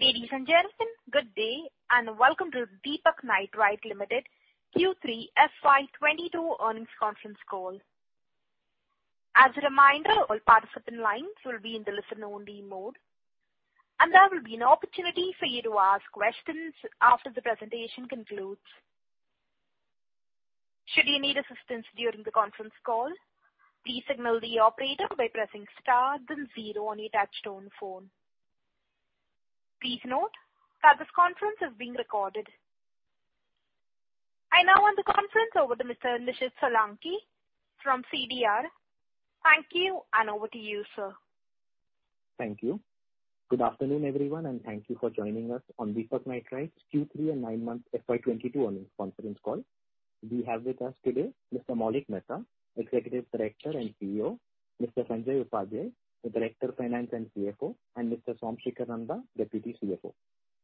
Ladies and gentlemen, good day, and welcome to Deepak Nitrite Limited Q3 FY 2022 earnings conference call. As a reminder, all participant lines will be in the listen-only mode, and there will be an opportunity for you to ask questions after the presentation concludes. Should you need assistance during the conference call, please signal the operator by pressing star then zero on your touchtone phone. Please note that this conference is being recorded. I now hand the conference over to Mr. Nishid Solanki from CDR. Thank you, and over to you, sir. Thank you. Good afternoon, everyone, and thank you for joining us on Deepak Nitrite's Q3 and nine-month FY 2022 earnings conference call. We have with us today Mr. Maulik Mehta, Executive Director and CEO, Mr. Sanjay Upadhyay, the Director of Finance and CFO, and Mr. Somshekhar Nanda, Deputy CFO.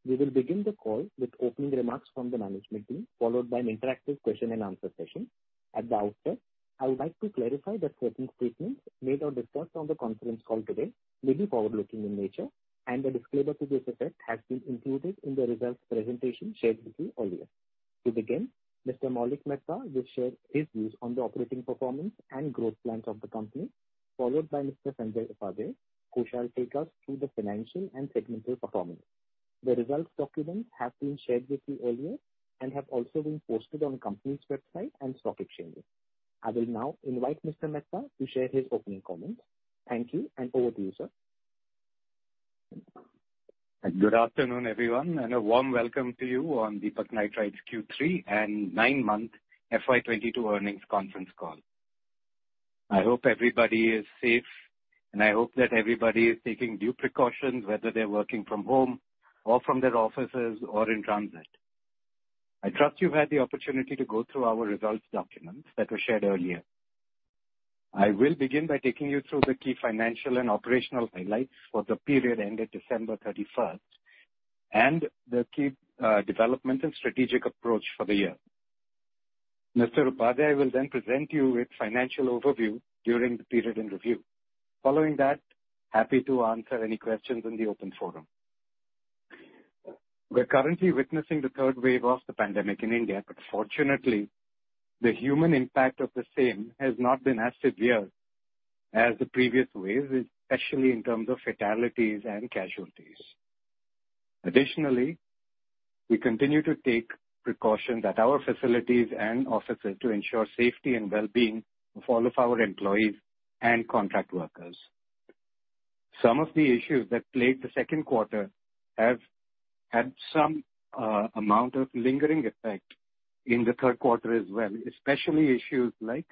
We will begin the call with opening remarks from the management team, followed by an interactive question and answer session. At the outset, I would like to clarify that certain statements made or discussed on the conference call today may be forward-looking in nature, and a disclaimer to this effect has been included in the results presentation shared with you earlier. To begin, Mr. Maulik Mehta will share his views on the operating performance and growth plans of the company, followed by Mr. Sanjay Upadhyay, who shall take us through the financial and segmental performance. The results document has been shared with you earlier and have also been posted on the company's website and stock exchange. I will now invite Mr. Mehta to share his opening comments. Thank you, and over to you, sir. Good afternoon, everyone, and a warm welcome to you on Deepak Nitrite's Q3 and nine-month FY 2022 earnings conference call. I hope everybody is safe, and I hope that everybody is taking due precautions, whether they're working from home or from their offices or in transit. I trust you've had the opportunity to go through our results documents that were shared earlier. I will begin by taking you through the key financial and operational highlights for the period ended December 31 and the key development and strategic approach for the year. Mr. Upadhyay will then present you with financial overview during the period in review. Following that, happy to answer any questions in the open forum. We're currently witnessing the third wave of the pandemic in India, but fortunately, the human impact of the same has not been as severe as the previous waves, especially in terms of fatalities and casualties. Additionally, we continue to take precaution at our facilities and offices to ensure safety and well-being of all of our employees and contract workers. Some of the issues that plagued the second quarter have had some amount of lingering effect in the third quarter as well, especially issues like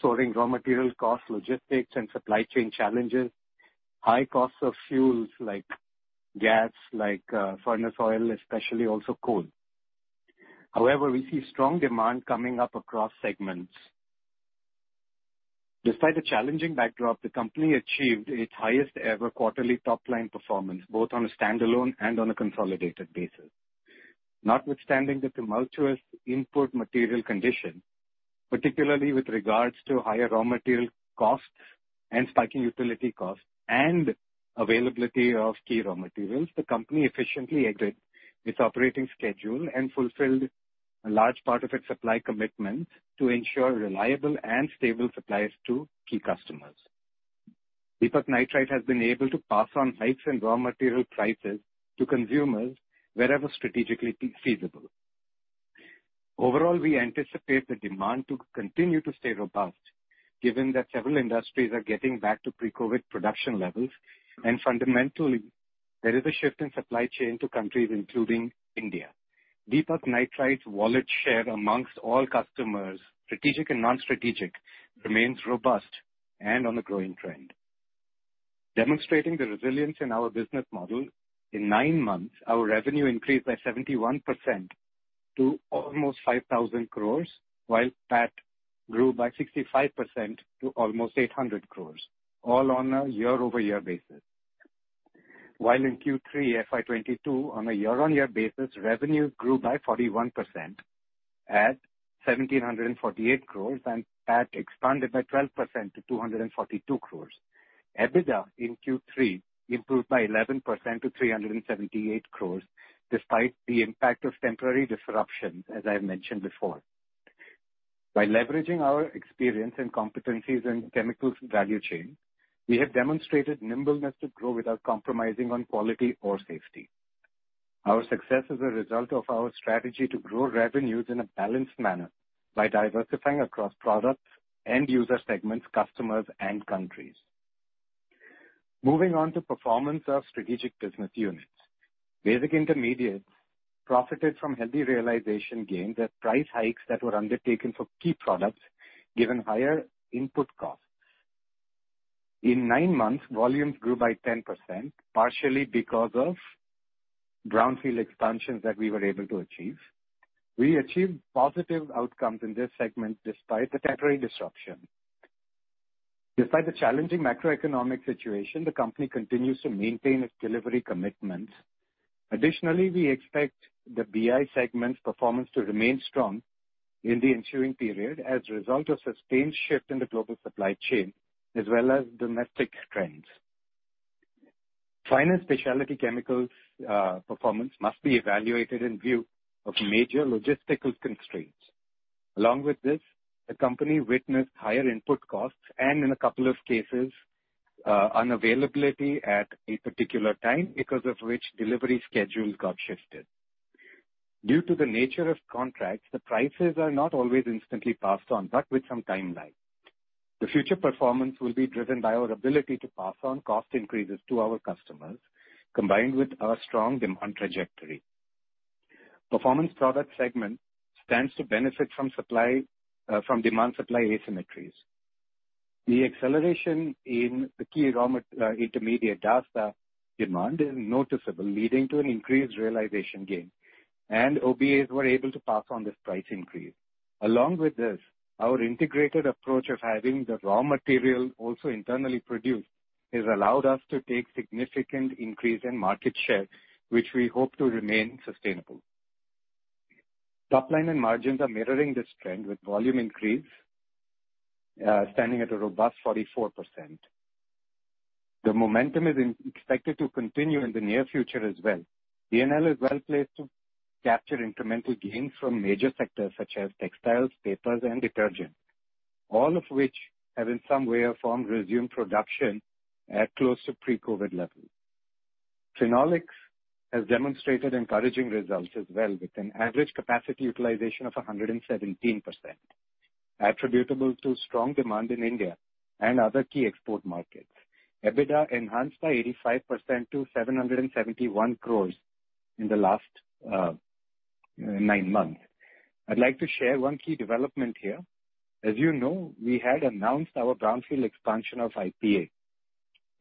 soaring raw material costs, logistics and supply chain challenges, high costs of fuels like gas, like, furnace oil especially, also coal. However, we see strong demand coming up across segments. Despite the challenging backdrop, the company achieved its highest ever quarterly top-line performance, both on a standalone and on a consolidated basis. Notwithstanding the tumultuous input material condition, particularly with regards to higher raw material costs and spiking utility costs and availability of key raw materials, the company efficiently executed its operating schedule and fulfilled a large part of its supply commitment to ensure reliable and stable supplies to key customers. Deepak Nitrite has been able to pass on hikes in raw material prices to consumers wherever strategically feasible. Overall, we anticipate the demand to continue to stay robust, given that several industries are getting back to pre-COVID production levels, and fundamentally, there is a shift in supply chain to countries including India. Deepak Nitrite's wallet share amongst all customers, strategic and non-strategic, remains robust and on a growing trend. Demonstrating the resilience in our business model, in nine months, our revenue increased by 71% to almost 5,000 crores, while PAT grew by 65% to almost 800 crores, all on a year-over-year basis. In Q3 FY 2022, on a year-over-year basis, revenues grew by 41% at 1,748 crores and PAT expanded by 12% to 242 crores. EBITDA in Q3 improved by 11% to 378 crores, despite the impact of temporary disruptions, as I mentioned before. By leveraging our experience and competencies in chemicals value chain, we have demonstrated nimbleness to grow without compromising on quality or safety. Our success is a result of our strategy to grow revenues in a balanced manner by diversifying across products, end user segments, customers, and countries. Moving on to performance of strategic business units. Basic intermediates profited from healthy realization gains at price hikes that were undertaken for key products given higher input costs. In nine months, volumes grew by 10%, partially because of brownfield expansions that we were able to achieve. We achieved positive outcomes in this segment despite the temporary disruption. Despite the challenging macroeconomic situation, the company continues to maintain its delivery commitments. Additionally, we expect the BI segment's performance to remain strong in the ensuing period as a result of sustained shift in the global supply chain as well as domestic trends. Fine and Specialty Chemicals performance must be evaluated in view of major logistical constraints. Along with this, the company witnessed higher input costs and in a couple of cases, unavailability at a particular time, because of which delivery schedules got shifted. Due to the nature of contracts, the prices are not always instantly passed on, but with some timeline. The future performance will be driven by our ability to pass on cost increases to our customers, combined with our strong demand trajectory. Performance product segment stands to benefit from demand supply asymmetries. The acceleration in the key intermediate demand is noticeable, leading to an increased realization gain, and OBAs were able to pass on this price increase. Along with this, our integrated approach of having the raw material also internally produced has allowed us to take significant increase in market share, which we hope to remain sustainable. Top line and margins are mirroring this trend, with volume increase standing at a robust 44%. The momentum is expected to continue in the near future as well. DNL is well-placed to capture incremental gains from major sectors such as textiles, papers, and detergent, all of which have in some way or form resumed production at close to pre-COVID levels. Phenolics has demonstrated encouraging results as well, with an average capacity utilization of 117%, attributable to strong demand in India and other key export markets. EBITDA enhanced by 85% to 771 crore in the last nine months. I'd like to share one key development here. As you know, we had announced our brownfield expansion of IPA.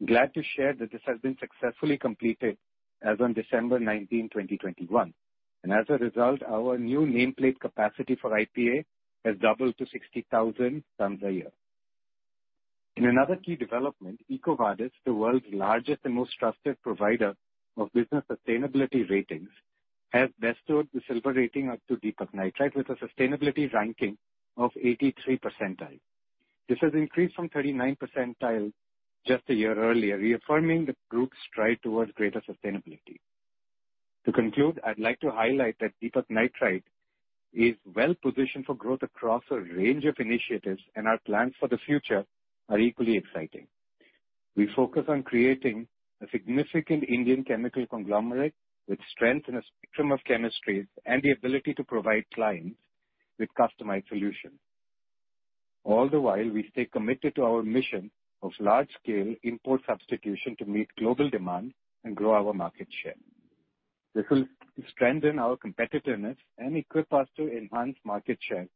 Glad to share that this has been successfully completed as on December 19, 2021. As a result, our new nameplate capacity for IPA has doubled to 60,000 tons a year. In another key development, EcoVadis, the world's largest and most trusted provider of business sustainability ratings, has bestowed the Silver rating onto Deepak Nitrite with a sustainability ranking of 83 percentile. This has increased from 39 percentile just a year earlier, reaffirming the group's stride towards greater sustainability. To conclude, I'd like to highlight that Deepak Nitrite is well-positioned for growth across a range of initiatives, and our plans for the future are equally exciting. We focus on creating a significant Indian chemical conglomerate with strength in a spectrum of chemistries and the ability to provide clients with customized solutions. All the while, we stay committed to our mission of large scale import substitution to meet global demand and grow our market share. This will strengthen our competitiveness and equip us to enhance market share,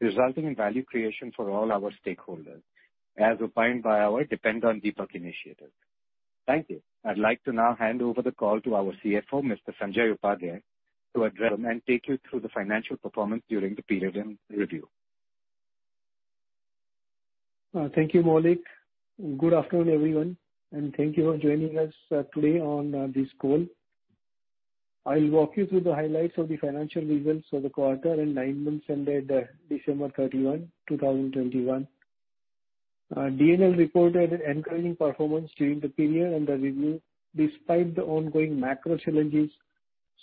resulting in value creation for all our stakeholders, as opined by our Depend on Deepak initiative. Thank you. I'd like to now hand over the call to our CFO, Mr. Sanjay Upadhyay, and take you through the financial performance during the period in review. Thank you, Maulik. Good afternoon, everyone, and thank you for joining us today on this call. I'll walk you through the highlights of the financial results for the quarter and nine months ended December 31, 2021. DNL reported encouraging performance during the period under review despite the ongoing macro challenges.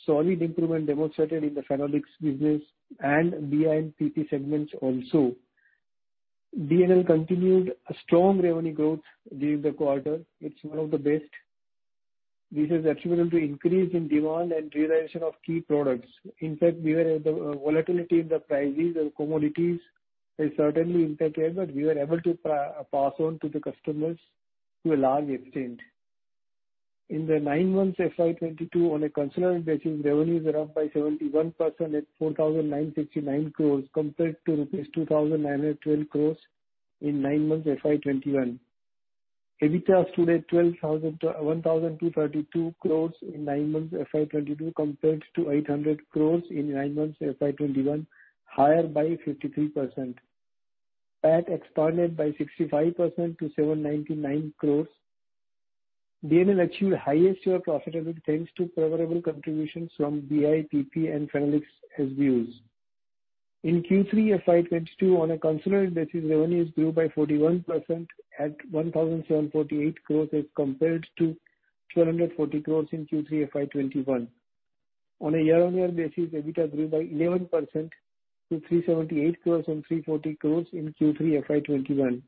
Solid improvement demonstrated in the phenolics business and BI and PP segments also. DNL continued a strong revenue growth during the quarter. It's one of the best. This is attributable to increase in demand and realization of key products. In fact, volatility in the prices of commodities certainly impacted, but we were able to pass on to the customers to a large extent. In the nine months FY 2022, on a consolidated basis, revenues are up by 71% at 4,969 crores compared to rupees 2,912 crores in nine months FY 2021. EBITDA stood at 1,232 crores in nine months FY 2022 compared to 800 crores in nine months FY 2021, higher by 53%. PAT expanded by 65% to 799 crores. DNL achieved highest year profitability, thanks to favorable contributions from BI, PP, and phenolics SBUs. In Q3 FY 2022, on a consolidated basis, revenues grew by 41% at 1,748 crores as compared to 240 crores in Q3 FY 2021. On a year-on-year basis, EBITDA grew by 11% to 378 crores and 340 crores in Q3 FY 2021.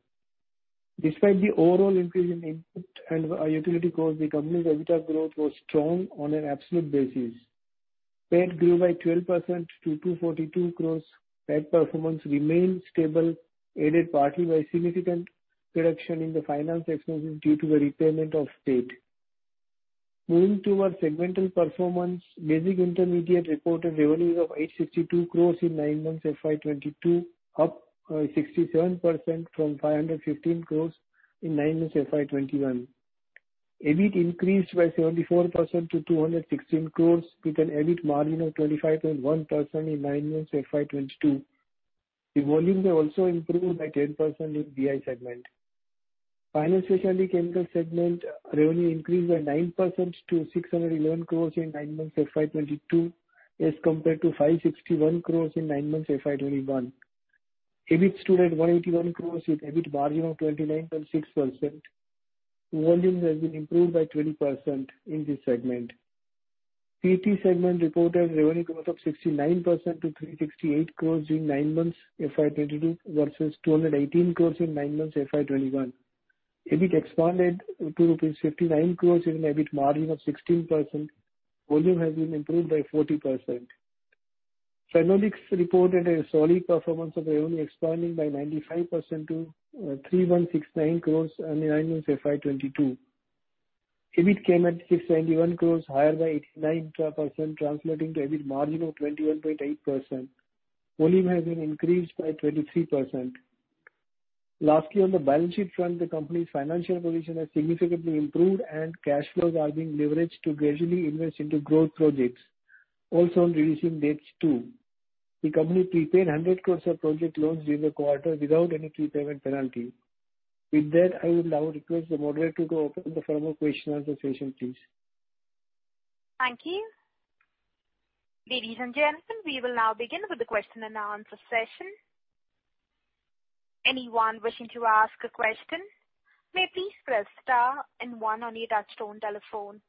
Despite the overall increase in input and utility costs, the company's EBITDA growth was strong on an absolute basis. PAT grew by 12% to 242 crore. PAT performance remained stable, aided partly by significant reduction in the finance expenses due to the repayment of debt. Moving to our segmental performance. Basic Intermediates reported revenues of 862 crore in nine months FY 2022, up 67% from 515 crore in nine months FY 2021. EBIT increased by 74% to 216 crore with an EBIT margin of 25.1% in nine months FY 2022. The volumes have also improved by 10% in BI segment. Fine and Speciality Chemicals segment revenue increased by 9% to 611 crore in nine months FY 2022 as compared to 561 crore in nine months FY 2021. EBIT stood at 181 crores with EBIT margin of 29.6%. Volumes has been improved by 20% in this segment. PT segment reported revenue growth of 69% to 368 crores in nine months FY 2022 versus 218 crores in nine months FY 2021. EBIT expanded to rupees 59 crores with an EBIT margin of 16%. Volume has been improved by 40%. Phenolics reported a solid performance of revenue expanding by 95% to 3,169 crores in the nine months FY 2022. EBIT came at 691 crores, higher by 89%, translating to EBIT margin of 21.8%. Volume has been increased by 23%. Lastly, on the balance sheet front, the company's financial position has significantly improved and cash flows are being leveraged to gradually invest into growth projects. Also on releasing debts too. The company prepaid 100 crore of project loans during the quarter without any prepayment penalty. With that, I will now request the moderator to open the floor for question and answer session, please. Thank you. Ladies and gentlemen, we will now begin with the question and answer session. Anyone wishing to ask a question may please press star and one on your touchtone telephone.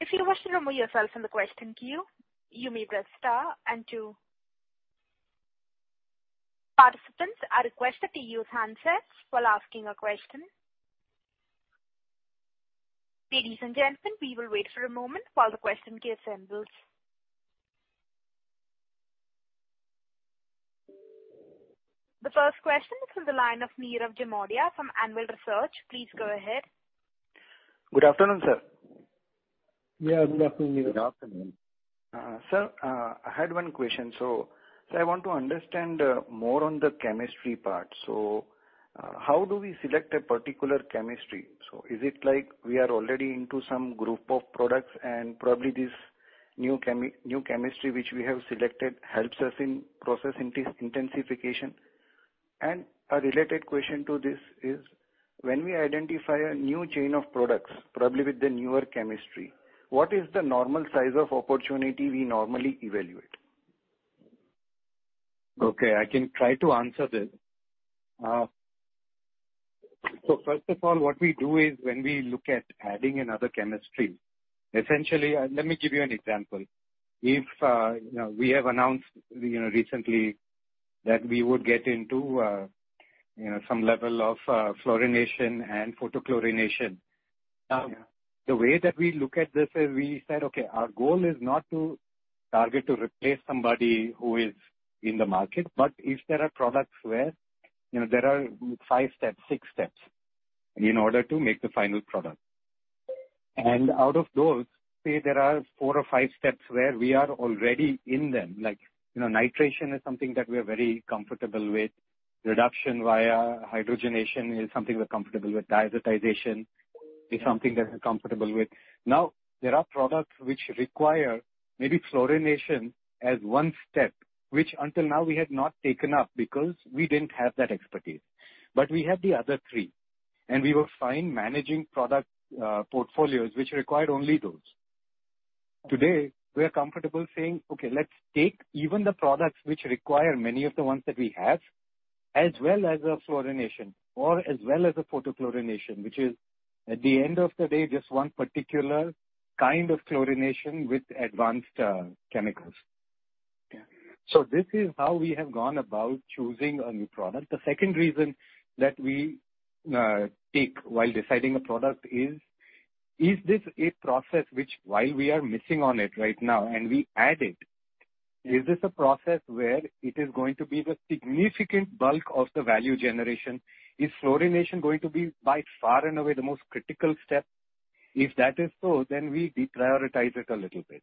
If you wish to remove yourself from the question queue, you may press star and two. Participants are requested to use handsets while asking a question. Ladies and gentlemen, we will wait for a moment while the question queue assembles. The first question is from the line of Nirav Jimudia from Anvil Research. Please go ahead. Good afternoon, sir. Yeah, good afternoon, Nirav. Good afternoon. Sir, I had one question. I want to understand more on the chemistry part. How do we select a particular chemistry? Is it like we are already into some group of products and probably this new chemistry which we have selected helps us in process intensification? A related question to this is when we identify a new chain of products, probably with the newer chemistry, what is the normal size of opportunity we normally evaluate? Okay, I can try to answer this. So first of all, what we do is when we look at adding another chemistry, essentially, let me give you an example. If you know we have announced, you know, recently that we would get into, you know, some level of fluorination and photochlorination. The way that we look at this is we said, okay, our goal is not to target to replace somebody who is in the market, but if there are products where, you know, there are five steps, six steps in order to make the final product. Out of those, say there are four or five steps where we are already in them, like, you know, nitration is something that we are very comfortable with. Reduction via hydrogenation is something we're comfortable with. Diazotization is something that we're comfortable with. Now, there are products which require maybe fluorination as one step, which until now we had not taken up because we didn't have that expertise. We had the other three, and we were fine managing product portfolios which required only those. Today, we are comfortable saying, okay, let's take even the products which require many of the ones that we have, as well as a fluorination or as well as a photochlorination, which is at the end of the day just one particular kind of chlorination with advanced chemicals. Yeah. This is how we have gone about choosing a new product. The second reason that we take while deciding a product is this a process which while we are missing on it right now and we add it, is this a process where it is going to be the significant bulk of the value generation? Is fluorination going to be by far and away the most critical step? If that is so, then we deprioritize it a little bit.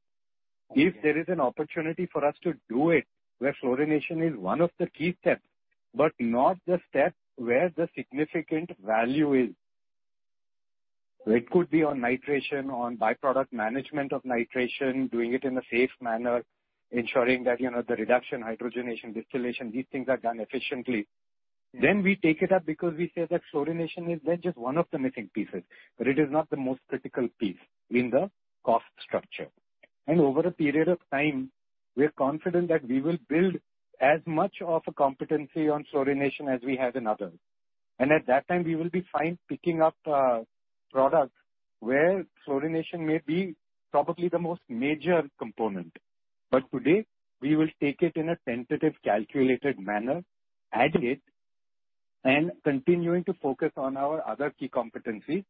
If there is an opportunity for us to do it, where fluorination is one of the key steps, but not the step where the significant value is. It could be on nitration, on by-product management of nitration, doing it in a safe manner, ensuring that, you know, the reduction, hydrogenation, distillation, these things are done efficiently. We take it up because we say that fluorination is then just one of the missing pieces, but it is not the most critical piece in the cost structure. Over a period of time, we are confident that we will build as much of a competency on fluorination as we have in others. At that time, we will be fine picking up products where fluorination may be probably the most major component. Today, we will take it in a tentative, calculated manner, add it, and continuing to focus on our other key competencies.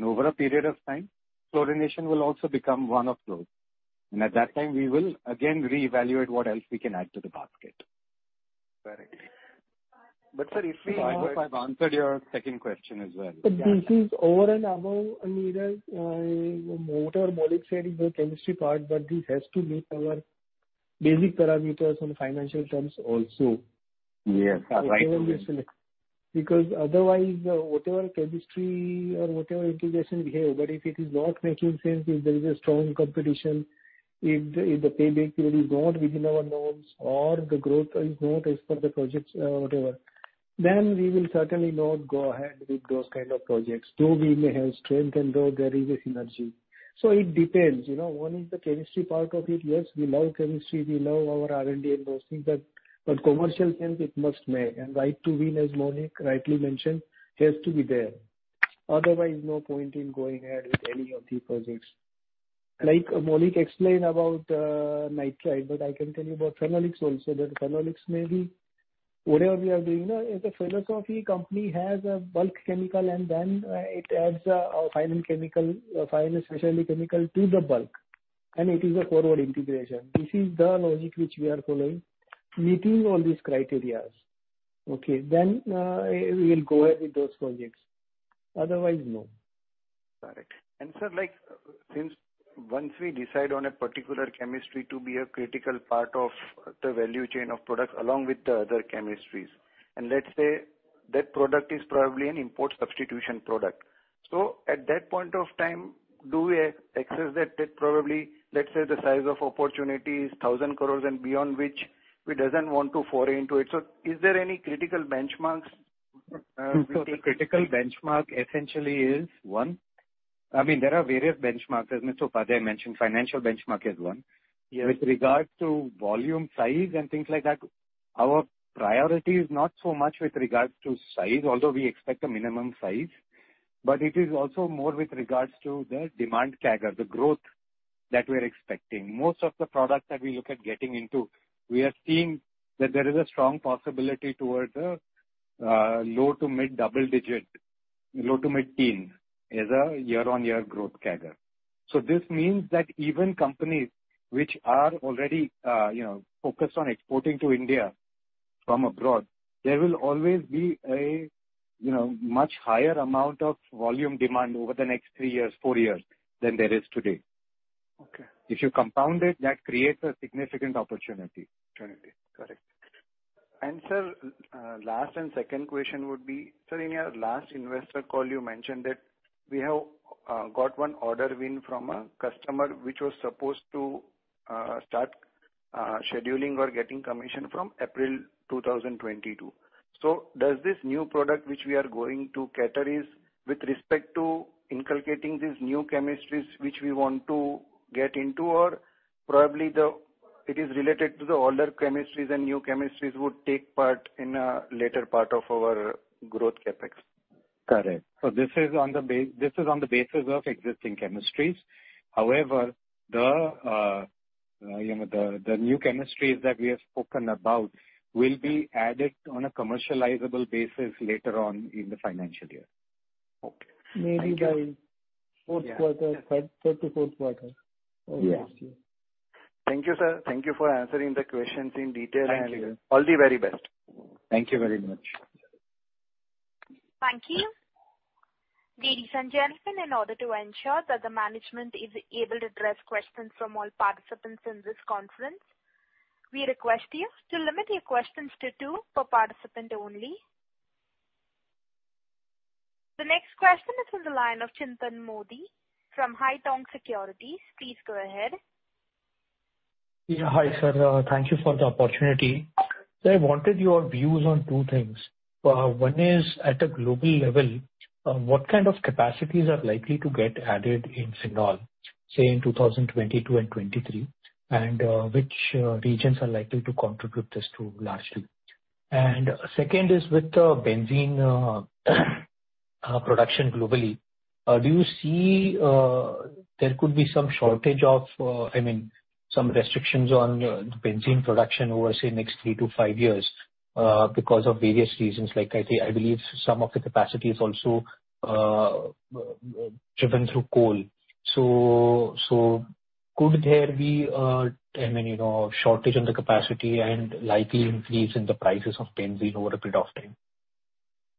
Over a period of time, fluorination will also become one of those. At that time, we will again reevaluate what else we can add to the basket. Correct. Sir, if we I hope I've answered your second question as well. This is over and above, Nirav, whatever Maulik said in the chemistry part, but this has to meet our basic parameters on financial terms also. Yes. Rightly said. Because otherwise, whatever chemistry or whatever integration we have, but if it is not making sense, if there is a strong competition, if the pay back period is not within our norms or the growth is not as per the projects, whatever. We will certainly not go ahead with those kind of projects, though we may have strength and though there is a synergy. It depends, you know. One is the chemistry part of it. Yes, we love chemistry. We love our R&D and those things. But commercial sense it must make. Right to win, as Maulik rightly mentioned, has to be there. Otherwise, no point in going ahead with any of the projects. Like Maulik explained about nitrite, but I can tell you about phenolics also, that phenolics may be Whatever we are doing, you know, if a specialty company has a bulk chemical and then it adds a final chemical, a final specialty chemical to the bulk, and it is a forward integration. This is the logic which we are following, meeting all these criteria. Okay? We will go ahead with those projects. Otherwise, no. Correct. Sir, like, since once we decide on a particular chemistry to be a critical part of the value chain of products along with the other chemistries, and let's say that product is probably an import substitution product, so at that point of time, do we assess that it probably, let's say the size of opportunity is 1,000 crores and beyond which we doesn't want to foray into it. Is there any critical benchmarks, which The critical benchmark essentially is. I mean, there are various benchmarks, as Mr. Sanjay Upadhyay mentioned. Financial benchmark is one. Yes. With regards to volume, size, and things like that, our priority is not so much with regards to size, although we expect a minimum size. It is also more with regards to the demand CAGR, the growth that we're expecting. Most of the products that we look at getting into, we are seeing that there is a strong possibility towards a low to mid-double digit, low to mid-teen as a year-on-year growth CAGR. This means that even companies which are already, you know, focused on exporting to India from abroad, there will always be a, you know, much higher amount of volume demand over the next three years, four years, than there is today. Okay. If you compound it, that creates a significant opportunity. Opportunity. Correct. Sir, last and second question would be, sir, in your last investor call you mentioned that we have got one order win from a customer which was supposed to start scheduling or getting commissioning from April 2022. Does this new product which we are going to cater is with respect to inculcating these new chemistries which we want to get into? Or probably the, it is related to the older chemistries and new chemistries would take part in a later part of our growth CapEx. Correct. This is on the basis of existing chemistries. However, you know, the new chemistries that we have spoken about will be added on a commercializable basis later on in the financial year. Okay. Thank you. Maybe by fourth quarter, third to fourth quarter of next year. Yeah. Thank you, sir. Thank you for answering the questions in detail. Thank you. All the very best. Thank you very much. Thank you. Ladies and gentlemen, in order to ensure that the management is able to address questions from all participants in this conference, we request you to limit your questions to two per participant only. The next question is on the line of Chintan Modi from Haitong Securities. Please go ahead. Yeah, hi, sir. Thank you for the opportunity. I wanted your views on two things. One is at a global level, what kind of capacities are likely to get added in phenol, say, in 2022 and 2023, and which regions are likely to contribute this to largely? Second is with the benzene production globally, do you see there could be some shortage of, I mean, some restrictions on the benzene production over, say, next three-five years, because of various reasons? Like, I believe some of the capacity is also driven through coal. Could there be a, I mean, you know, shortage in the capacity and likely increase in the prices of benzene over a period of time?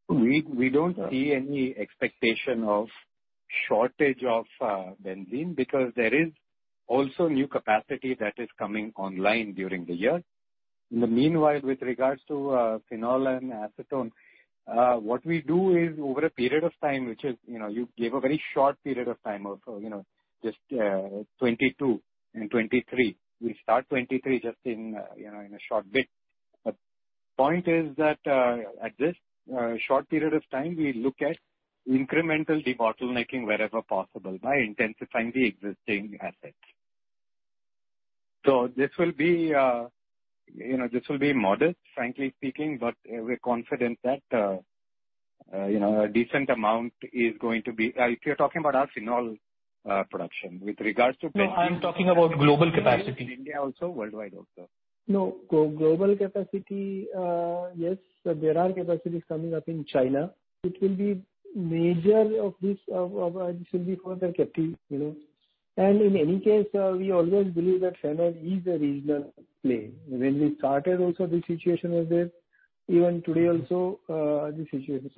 We don't see any expectation of shortage of benzene because there is also new capacity that is coming online during the year. In the meanwhile, with regards to phenol and acetone, what we do is over a period of time, which is, you know, you gave a very short period of time of, you know, just 2022 and 2023. We start 2023 just in, you know, in a short bit. Point is that at this short period of time, we look at incremental debottlenecking wherever possible by intensifying the existing assets. This will be modest, frankly speaking, but we're confident that, you know, a decent amount is going to be if you're talking about our phenol production. With regards to No, I'm talking about global capacity. India also, worldwide also. No. Global capacity, yes, there are capacities coming up in China. It will be majority of this will be for the captive, you know. In any case, we always believe that phenol is a regional play. When we started also this situation was there, even today also, the situation.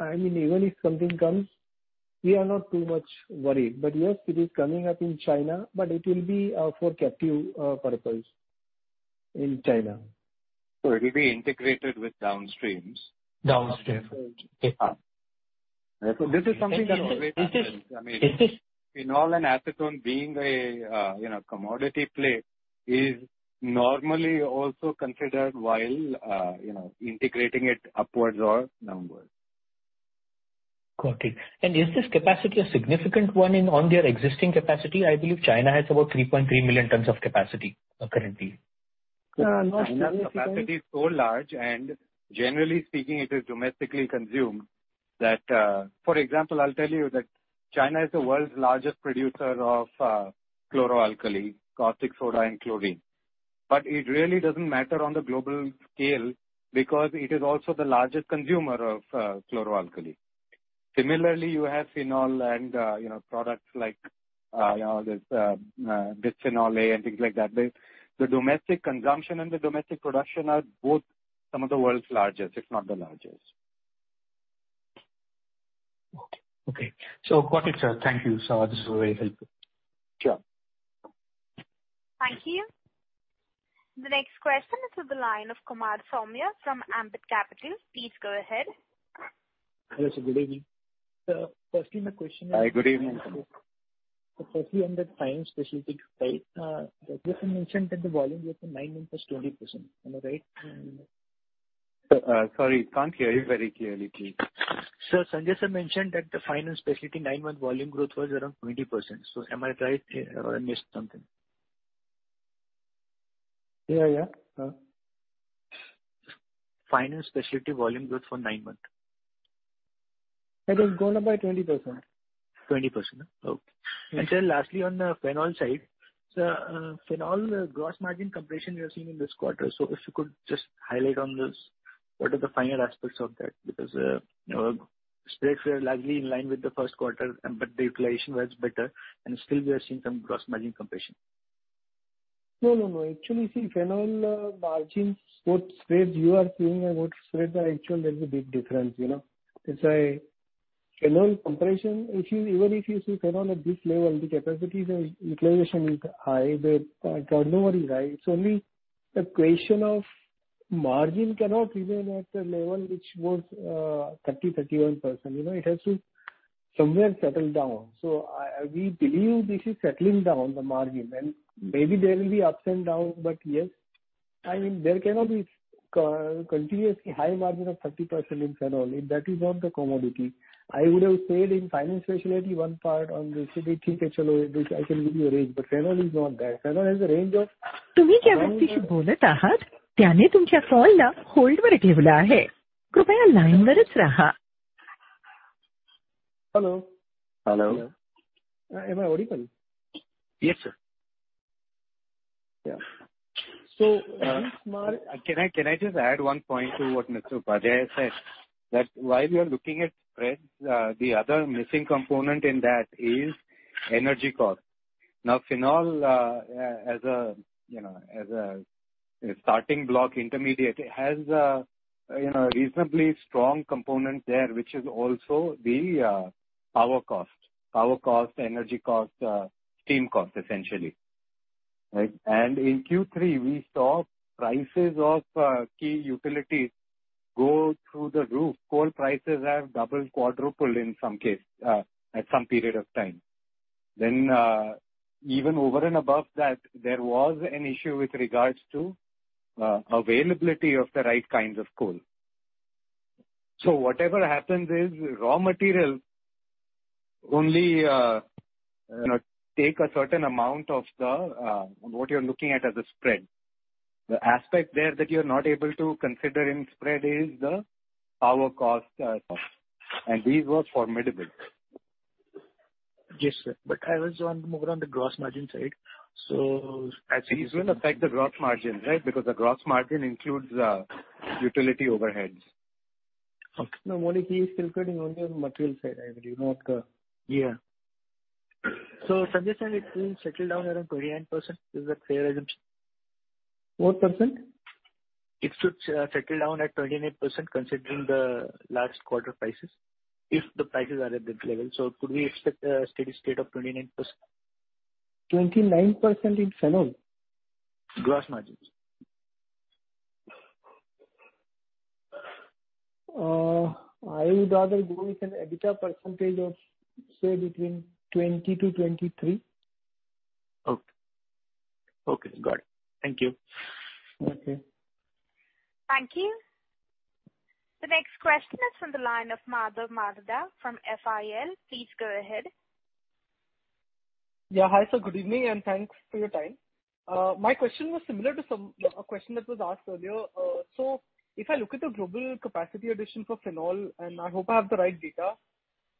I mean, even if something comes, we are not too much worried. Yes, it is coming up in China, but it will be for captive purpose in China. It will be integrated with downstreams. Downstream. Okay. Right. This is something that always happens. I mean, phenol and acetone being a commodity play is normally also considered while integrating it upwards or downwards. Got it. Is this capacity a significant one in, on their existing capacity? I believe China has about 3.3 million tons of capacity currently. China's capacity is so large, and generally speaking, it is domestically consumed that. For example, I'll tell you that China is the world's largest producer of chlor-alkali, caustic soda and chlorine. But it really doesn't matter on the global scale because it is also the largest consumer of chlor-alkali. Similarly, you have phenol and, you know, products like, you know, this, Bisphenol A and things like that. The domestic consumption and the domestic production are both some of the world's largest, if not the largest. Okay. Got it, sir. Thank you, sir. This was very helpful. Sure. Thank you. The next question is from the line of Kumar Saumya from Ambit Capital. Please go ahead. Hello, sir. Good evening. Firstly, my question is. Hi, good evening. Firstly on the Fine Specialty side, Sanjay Sir mentioned that the volume growth in nine months was 20%. Am I right? Sorry, can't hear you very clearly. Sir, Sanjay sir mentioned that the Fine and Specialty nine-month volume growth was around 20%. Am I right or I missed something? Yeah, yeah. Fine and Specialty volume growth for nine months. It has gone up by 20%. 20%, huh? Okay. Yes. Sir, lastly, on the phenol side. Phenol gross margin compression we are seeing in this quarter, so if you could just highlight on this, what are the finer aspects of that? Because, you know, spreads were largely in line with the first quarter, and but the utilization was better and still we are seeing some gross margin compression. No, no. Actually, see phenol margins, both spreads you are seeing and what spreads are actual, there's a big difference, you know. It's a annual compression. If you, even if you see phenol at this level, the capacities and utilization is high, the turnover is high. It's only a question of margin cannot remain at a level which was 30-31%. You know, it has to somewhere settle down. I, we believe this is settling down the margin. Maybe there will be ups and downs, but yes, I mean, there cannot be continuously high margin of 30% in phenol. It, that is not the commodity. I would have said in fine and specialty one part on this which I can give you a range, but phenol is not that. Phenol has a range of- Hello? Hello. Am I audible? Yes, sir. Yeah. Can I just add one point to what Mr. Upadhyay said? That while we are looking at spreads, the other missing component in that is energy cost. Now, phenol, as a, you know, as a starting block intermediate, it has a, you know, reasonably strong component there, which is also the, power cost. Power cost, energy cost, steam cost essentially. Right? In Q3 we saw prices of key utilities go through the roof. Coal prices have doubled, quadrupled in some case, at some period of time. Even over and above that, there was an issue with regards to, availability of the right kinds of coal. Whatever happens is raw material only, you know, take a certain amount of the, what you're looking at as a spread. The aspect there that you're not able to consider in spread is the power cost, and these were formidable. Yes, sir. I was more on the gross margin side. These will affect the gross margin, right? Because the gross margin includes utility overheads. Okay. No, Maulik is considering only on material side, I believe, not the- Yeah. Sanjay sir, it will settle down around 29%. Is that fair assumption? What %? It should settle down at 29% considering the last quarter prices, if the prices are at this level. Could we expect a steady state of 29%? 29% in phenol? Gross margins. I would rather go with an EBITDA percentage of say between 20%-23%. Okay. Okay, got it. Thank you. Okay. Thank you. The next question is from the line of Madhav Marda from FIL. Please go ahead. Yeah. Hi, sir. Good evening, and thanks for your time. My question was similar to a question that was asked earlier. If I look at the global capacity addition for phenol, and I hope I have the right data,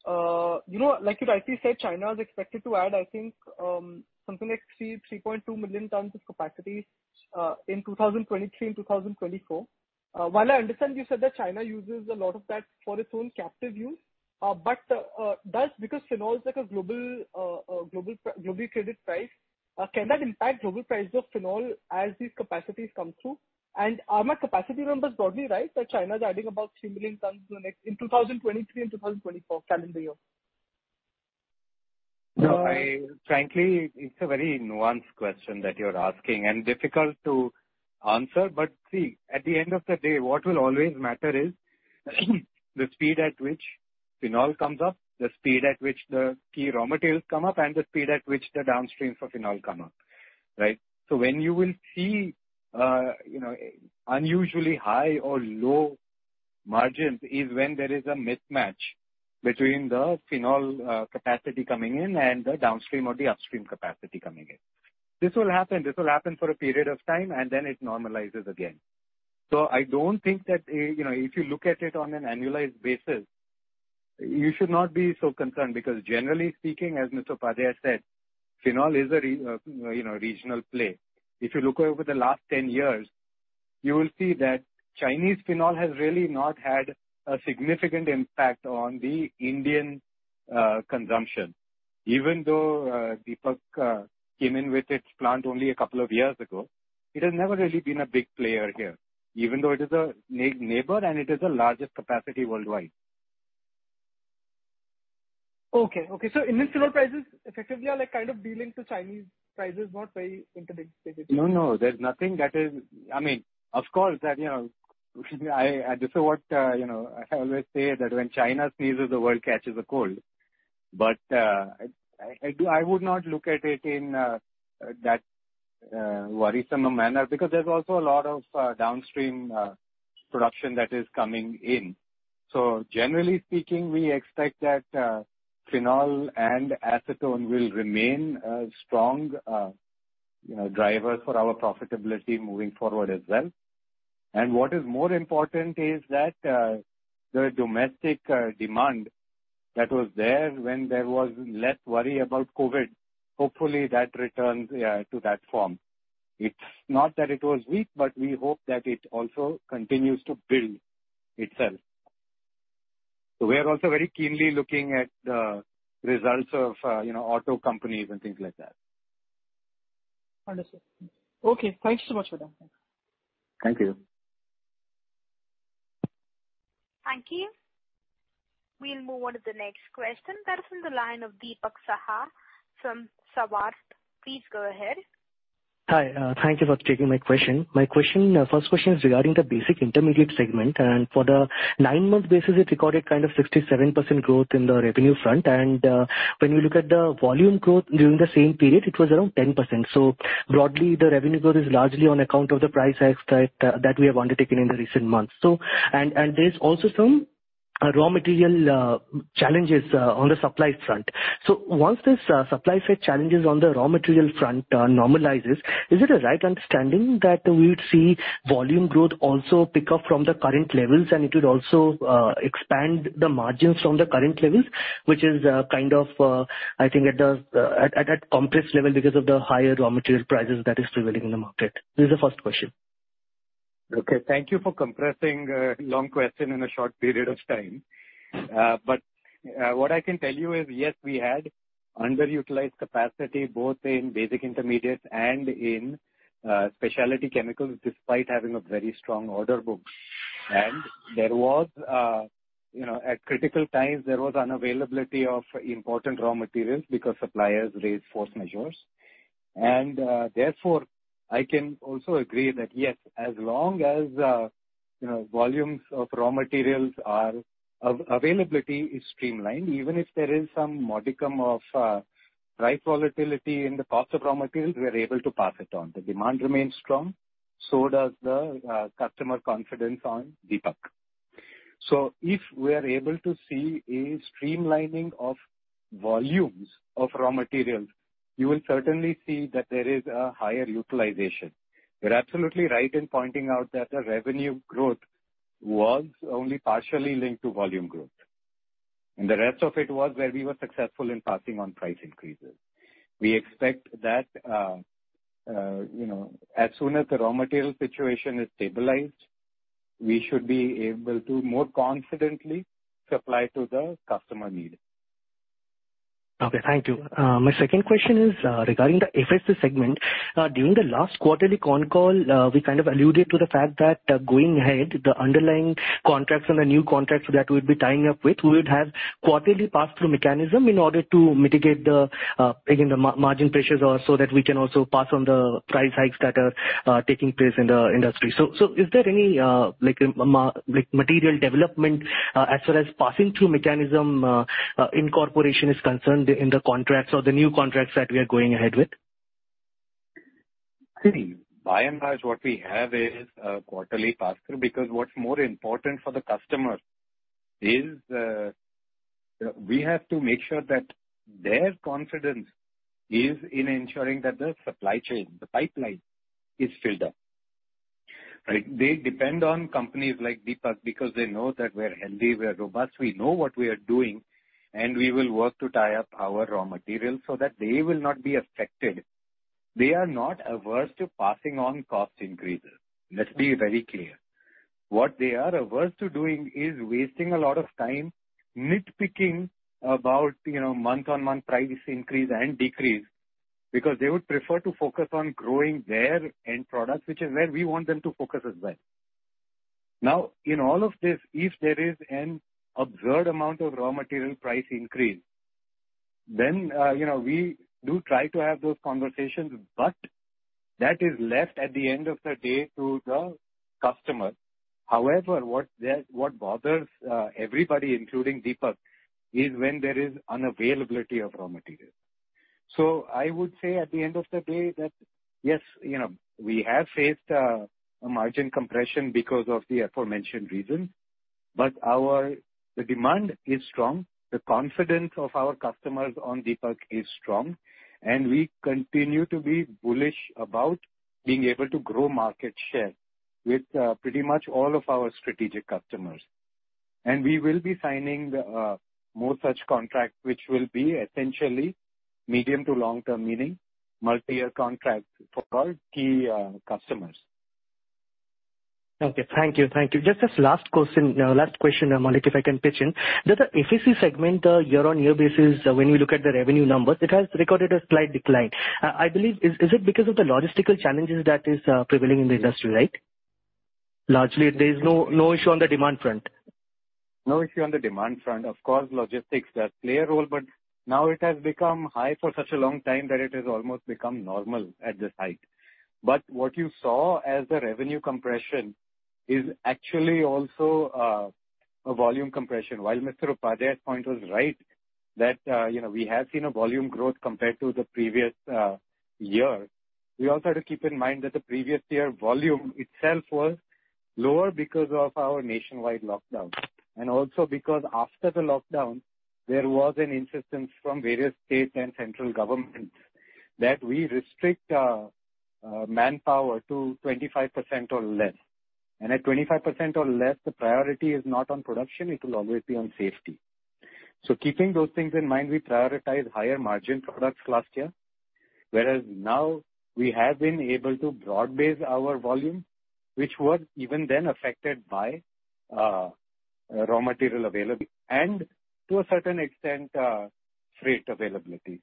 you know, like you rightly said, China is expected to add, I think, something like 3.2 million tons of capacity in 2023 and 2024. While I understand you said that China uses a lot of that for its own captive use, because phenol is like a global traded price, can that impact global prices of phenol as these capacities come through? Are my capacity numbers broadly right that China's adding about 3 million tons in the next, in 2023 and 2024 calendar year? No, frankly, it's a very nuanced question that you're asking and difficult to answer. See, at the end of the day, what will always matter is the speed at which phenol comes up, the speed at which the key raw materials come up, and the speed at which the downstream for phenol come up, right? When you will see you know unusually high or low margins is when there is a mismatch between the phenol capacity coming in and the downstream or the upstream capacity coming in. This will happen for a period of time, and then it normalizes again. I don't think that you know if you look at it on an annualized basis, you should not be so concerned. Because generally speaking, as Mr. Upadhyay said, phenol is a regional play. If you look over the last 10 years, you will see that Chinese phenol has really not had a significant impact on the Indian consumption. Even though Deepak came in with its plant only a couple of years ago, it has never really been a big player here. Even though it is a neighbor, and it is the largest capacity worldwide. Okay. In this scenario, prices effectively are like kind of de-linked to Chinese prices, not very integrated. No, no. There's nothing. I mean, of course, you know, this is what, you know, I always say that when China sneezes, the world catches a cold. I would not look at it in that worrisome a manner because there's also a lot of downstream production that is coming in. Generally speaking, we expect that phenol and acetone will remain a strong, you know, driver for our profitability moving forward as well. What is more important is that the domestic demand that was there when there was less worry about COVID, hopefully that returns to that form. It's not that it was weak, but we hope that it also continues to build itself. We are also very keenly looking at the results of, you know, auto companies and things like that. Understood. Okay. Thanks so much for that. Thank you. Thank you. We'll move on to the next question. That is on the line of Deepak Saha from Savart. Please go ahead. Hi, thank you for taking my question. My question, first question is regarding the basic intermediate segment. For the nine-month basis it recorded kind of 67% growth in the revenue front. When you look at the volume growth during the same period, it was around 10%. Broadly, the revenue growth is largely on account of the price hikes that we have undertaken in the recent months. There's also some raw material challenges on the supply front. Once this supply side challenge is on the raw material front normalizes, is it a right understanding that we would see volume growth also pick up from the current levels and it would also expand the margins from the current levels? Which is kind of, I think at a complex level because of the higher raw material prices that is prevailing in the market. This is the first question. Okay. Thank you for compressing a long question in a short period of time. What I can tell you is, yes, we had underutilized capacity both in basic intermediates and in specialty chemicals, despite having a very strong order book. There was, you know, at critical times, there was unavailability of important raw materials because suppliers raised force majeure. Therefore, I can also agree that, yes, as long as, you know, volumes of raw materials availability is streamlined, even if there is some modicum of price volatility in the cost of raw materials, we are able to pass it on. The demand remains strong, so does the customer confidence on Deepak. If we are able to see a streamlining of volumes of raw materials, you will certainly see that there is a higher utilization. You're absolutely right in pointing out that the revenue growth was only partially linked to volume growth, and the rest of it was where we were successful in passing on price increases. We expect that, you know, as soon as the raw material situation is stabilized, we should be able to more confidently supply to the customer need. Okay, thank you. My second question is regarding the FSC segment. During the last quarterly con call, we kind of alluded to the fact that going ahead, the underlying contracts and the new contracts that we'd be tying up with would have quarterly pass-through mechanism in order to mitigate the, again, the margin pressures or so that we can also pass on the price hikes that are taking place in the industry. So, is there any, like material development as far as passing through mechanism incorporation is concerned in the contracts or the new contracts that we are going ahead with? See, by and large, what we have is a quarterly pass-through, because what's more important for the customer is, we have to make sure that their confidence is in ensuring that the supply chain, the pipeline is filled up, right? They depend on companies like Deepak because they know that we're healthy, we're robust, we know what we are doing, and we will work to tie up our raw materials so that they will not be affected. They are not averse to passing on cost increases. Let's be very clear. What they are averse to doing is wasting a lot of time nitpicking about, you know, month-on-month price increase and decrease, because they would prefer to focus on growing their end products, which is where we want them to focus as well. Now, in all of this, if there is an absurd amount of raw material price increase, then, you know, we do try to have those conversations, but that is left at the end of the day to the customer. However, what bothers everybody, including Deepak, is when there is unavailability of raw material. I would say at the end of the day that, yes, you know, we have faced a margin compression because of the aforementioned reasons, but the demand is strong, the confidence of our customers on Deepak is strong, and we continue to be bullish about being able to grow market share with pretty much all of our strategic customers. We will be signing more such contracts, which will be essentially medium to long-term, meaning multi-year contracts for our key customers. Thank you. Just one last question, Maulik, if I can pitch in. The FSC segment, year-over-year basis when you look at the revenue numbers, it has recorded a slight decline. I believe it is because of the logistical challenges that are prevailing in the industry, right? Largely there is no issue on the demand front. No issue on the demand front. Of course, logistics does play a role, but now it has become high for such a long time that it has almost become normal at this height. What you saw as the revenue compression is actually also a volume compression. While Mr. Upadhyay's point was right that, you know, we have seen a volume growth compared to the previous year, we also have to keep in mind that the previous year volume itself was lower because of our nationwide lockdown. Also because after the lockdown, there was an insistence from various states and central government that we restrict manpower to 25% or less. At 25% or less, the priority is not on production, it will always be on safety. Keeping those things in mind, we prioritized higher margin products last year, whereas now we have been able to broad base our volume, which was even then affected by raw material availability and to a certain extent, freight availability.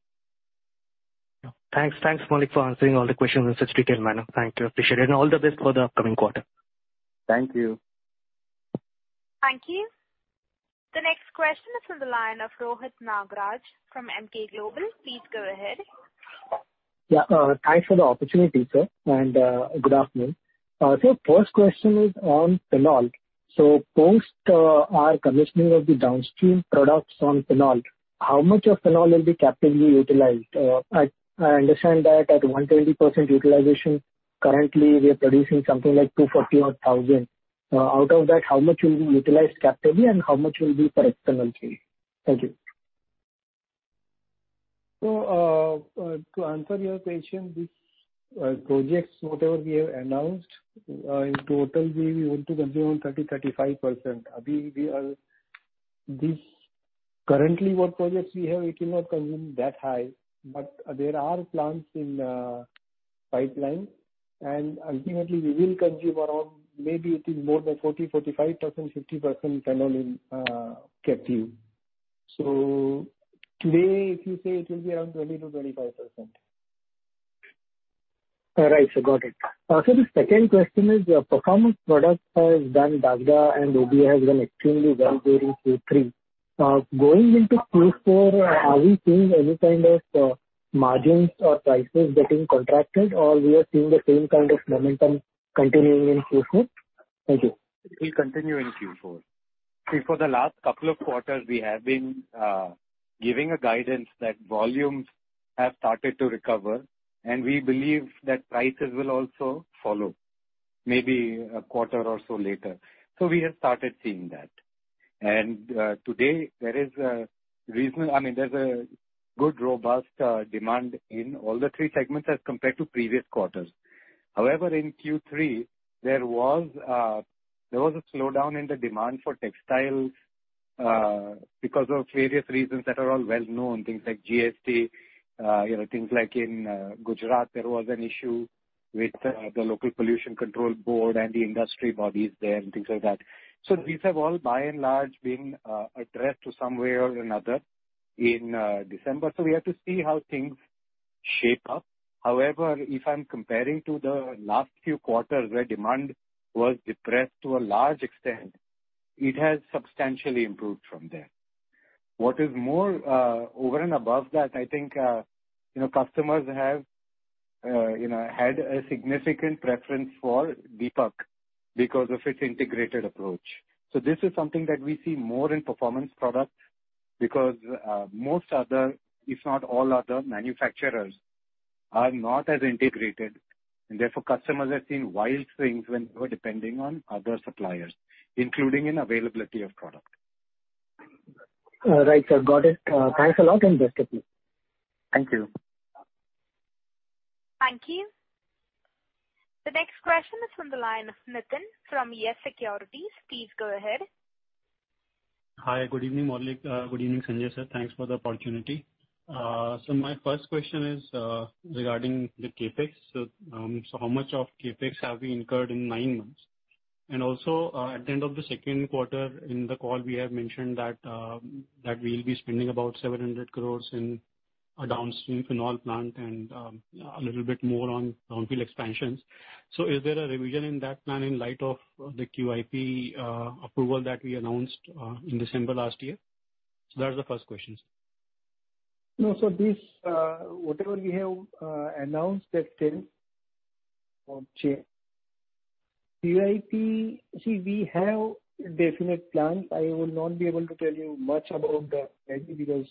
Thanks. Thanks, Maulik, for answering all the questions in such detailed manner. Thank you. Appreciate it. All the best for the upcoming quarter. Thank you. Thank you. The next question is from the line of Rohit Nagraj from Emkay Global. Please go ahead. Thanks for the opportunity, sir, and good afternoon. First question is on phenol. Post our commissioning of the downstream products on phenol, how much of phenol will be captively utilized? I understand that at 120% utilization currently we are producing something like 240,000. Out of that, how much will be utilized captively and how much will be for external use? Thank you. To answer your question, these projects, whatever we have announced, in total we want to consume 35%. Abhi, currently what projects we have, it will not consume that high, but there are plans in pipeline, and ultimately we will consume around maybe it is more than 45%, 50% phenol in captive. Today, if you say it will be around 20%-25%. All right, sir. Got it. The second question is your performance products has done DASDA and OBA has done extremely well during Q3. Going into Q4, are we seeing any kind of margins or prices getting contracted or we are seeing the same kind of momentum continuing in Q4? Thank you. It will continue in Q4. See, for the last couple of quarters we have been giving a guidance that volumes have started to recover and we believe that prices will also follow maybe a quarter or so later. We have started seeing that. Today there is a reason, I mean, there's a good robust demand in all the three segments as compared to previous quarters. However, in Q3 there was a slowdown in the demand for textiles because of various reasons that are all well known, things like GST, you know, things like in Gujarat, there was an issue with the local pollution control board and the industry bodies there and things like that. These have all by and large been addressed to some way or another in December, so we have to see how things shape up. However, if I'm comparing to the last few quarters where demand was depressed to a large extent, it has substantially improved from there. What is more, over and above that, I think, you know, customers have, you know, had a significant preference for Deepak because of its integrated approach. This is something that we see more in performance products because, most other, if not all other manufacturers are not as integrated and therefore customers have seen wild swings whenever depending on other suppliers, including in availability of product. All right, sir. Got it. Thanks a lot and best of luck. Thank you. Thank you. The next question is from the line of Nitin from Yes Securities. Please go ahead. Hi. Good evening, Maulik. Good evening, Sanjay Sir. Thanks for the opportunity. My first question is regarding the CapEx. How much of CapEx have we incurred in nine months? And also, at the end of the second quarter in the call, we have mentioned that we'll be spending about 700 crore in a downstream phenol plant and a little bit more on Dahej expansions. Is there a revision in that plan in light of the QIP approval that we announced in December last year? That's the first question. No. This, whatever we have announced that then or change. QIP, see, we have definite plans. I will not be able to tell you much about the planning because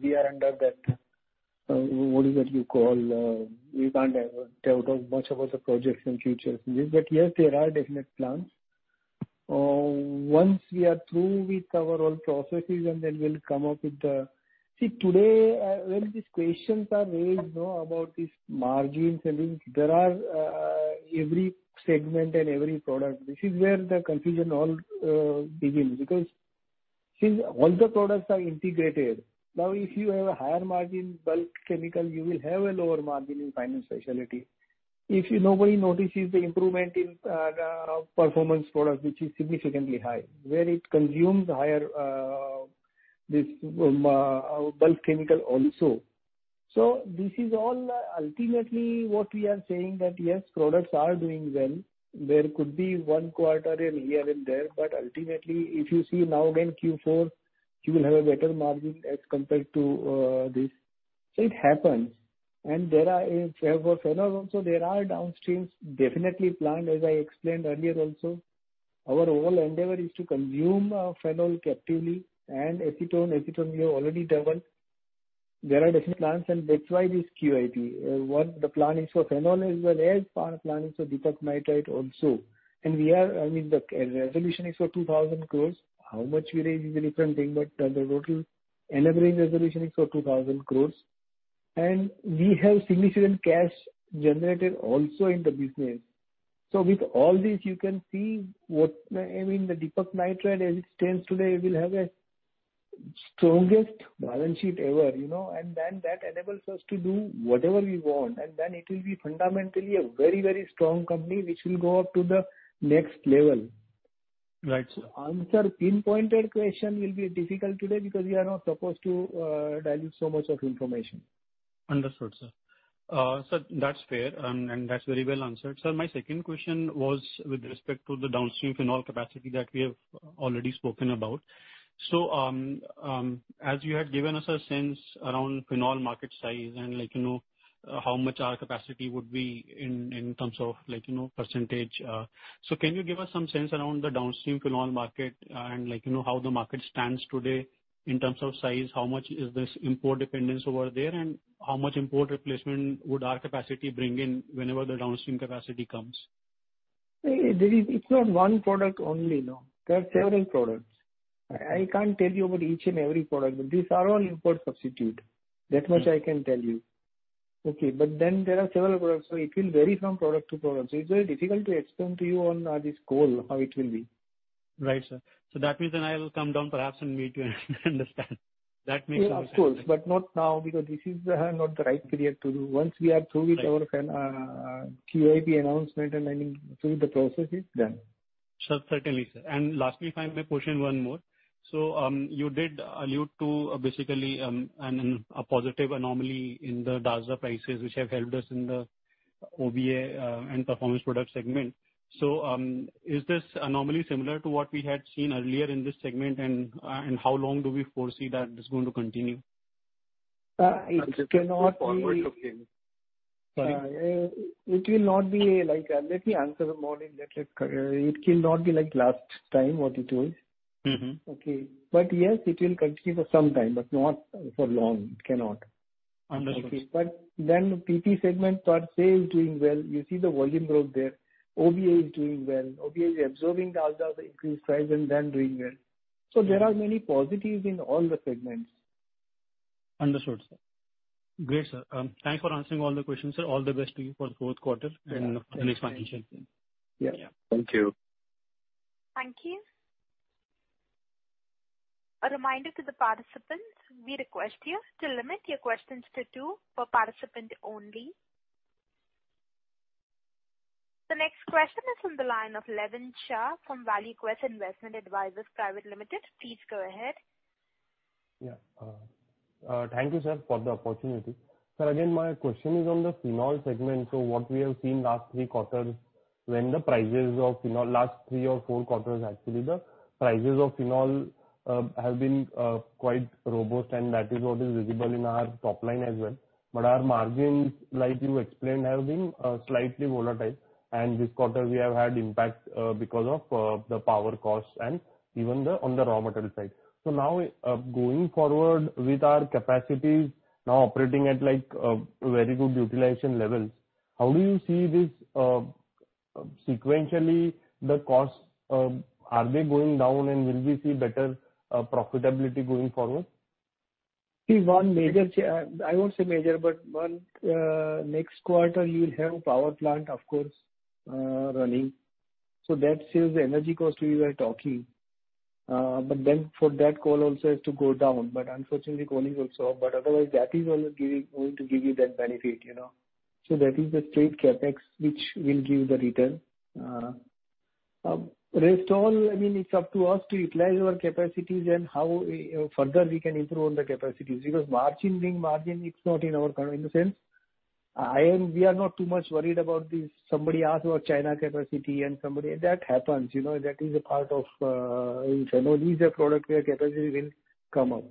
we are under that, what is that you call? We can't ever tell much about the projects in future. Yes, there are definite plans. Once we are through with our all processes and then we'll come up with the. See, today, when these questions are raised, you know, about these margins and things, there are every segment and every product. This is where the confusion all begins because since all the products are integrated, now if you have a higher margin bulk chemical, you will have a lower margin in Fine and Specialty. If nobody notices the improvement in performance products which is significantly high, where it consumes higher this bulk chemical also. This is all ultimately what we are saying, that yes, products are doing well. There could be one quarter here and there, but ultimately if you see now again Q4, you will have a better margin as compared to this. It happens. There are for phenol also there are downstreams definitely planned, as I explained earlier also. Our overall endeavor is to consume phenol captively and acetone. Acetone we have already doubled. There are different plans and that's why this QIP. What the plan is for phenol as well as our plan is for Deepak Nitrite also. We are, I mean, the resolution is for 2,000 crore. How much we raise is a different thing, but, the total leverage resolution is for 2,000 crore. We have significant cash generated also in the business. With all this, you can see what I mean. The Deepak Nitrite as it stands today will have a strongest balance sheet ever, you know. Then that enables us to do whatever we want, and then it will be fundamentally a very, very strong company which will go up to the next level. Right, sir. Answering pinpointed questions will be difficult today because we are not supposed to dilute so much information. Understood, sir. That's fair, and that's very well answered. Sir, my second question was with respect to the downstream phenol capacity that we have already spoken about. As you had given us a sense around phenol market size and like, you know, how much our capacity would be in terms of like, you know, percentage. Can you give us some sense around the downstream phenol market and like, you know, how the market stands today in terms of size? How much is this import dependence over there? And how much import replacement would our capacity bring in whenever the downstream capacity comes? There is. It's not one product only, no. There are several products. I can't tell you about each and every product. These are all import substitute. That much I can tell you. Okay. There are several products, so it will vary from product to product. It's very difficult to explain to you on this call how it will be. Right, sir. That means then I will come down perhaps and meet you and understand. That makes more sense. Of course. Not now, because this is not the right period to do. Once we are through. Right. With our QIP announcement and I mean, through the processes, then. Sure. Certainly, sir. Lastly, if I may push in one more. You did allude to basically a positive anomaly in the DAZSA prices, which have helped us in the OVA and performance product segment. Is this anomaly similar to what we had seen earlier in this segment? How long do we foresee that this is going to continue? Uh, it cannot be- Just forward looking. Sorry. Let me answer more in depth. It will not be like last time what it was. Mm-hmm. Okay. Yes, it will continue for some time, but not for long. It cannot. Understood. Okay. PP segment per se is doing well. You see the volume growth there. OBA is doing well. OBA is absorbing DASDA increased price and then doing well. There are many positives in all the segments. Understood, sir. Great, sir. Thanks for answering all the questions, sir. All the best to you for the fourth quarter. Thank you. The next financial year. Yeah. Yeah. Thank you. Thank you. A reminder to the participants. We request you to limit your questions to two per participant only. The next question is from the line of Levin Shah from ValueQuest Investment Advisors Private Limited. Please go ahead. Thank you, sir, for the opportunity. Sir, again, my question is on the phenol segment. What we have seen last three quarters when the prices of phenol... Last three or four quarters actually, the prices of phenol have been quite robust, and that is what is visible in our top line as well. Our margins, like you explained, have been slightly volatile. This quarter we have had impact because of the power costs and even the, on the raw material side. Now, going forward with our capacities now operating at like very good utilization levels, how do you see this sequentially, the costs, are they going down and will we see better profitability going forward? See, I won't say major, but one next quarter you will have power plant of course running. That saves the energy cost we were talking. Then for that coal also has to go down. Unfortunately coal is also up. Otherwise that is only going to give you that benefit, you know. That is the straight CapEx which will give the return. Rest all, I mean, it's up to us to utilize our capacities and how we further we can improve on the capacities. Because margin being margin, it's not in our control. In the sense, we are not too much worried about this. Somebody asked about China capacity and somebody that happens, you know. That is a part of in phenol. These are products where capacity will come up.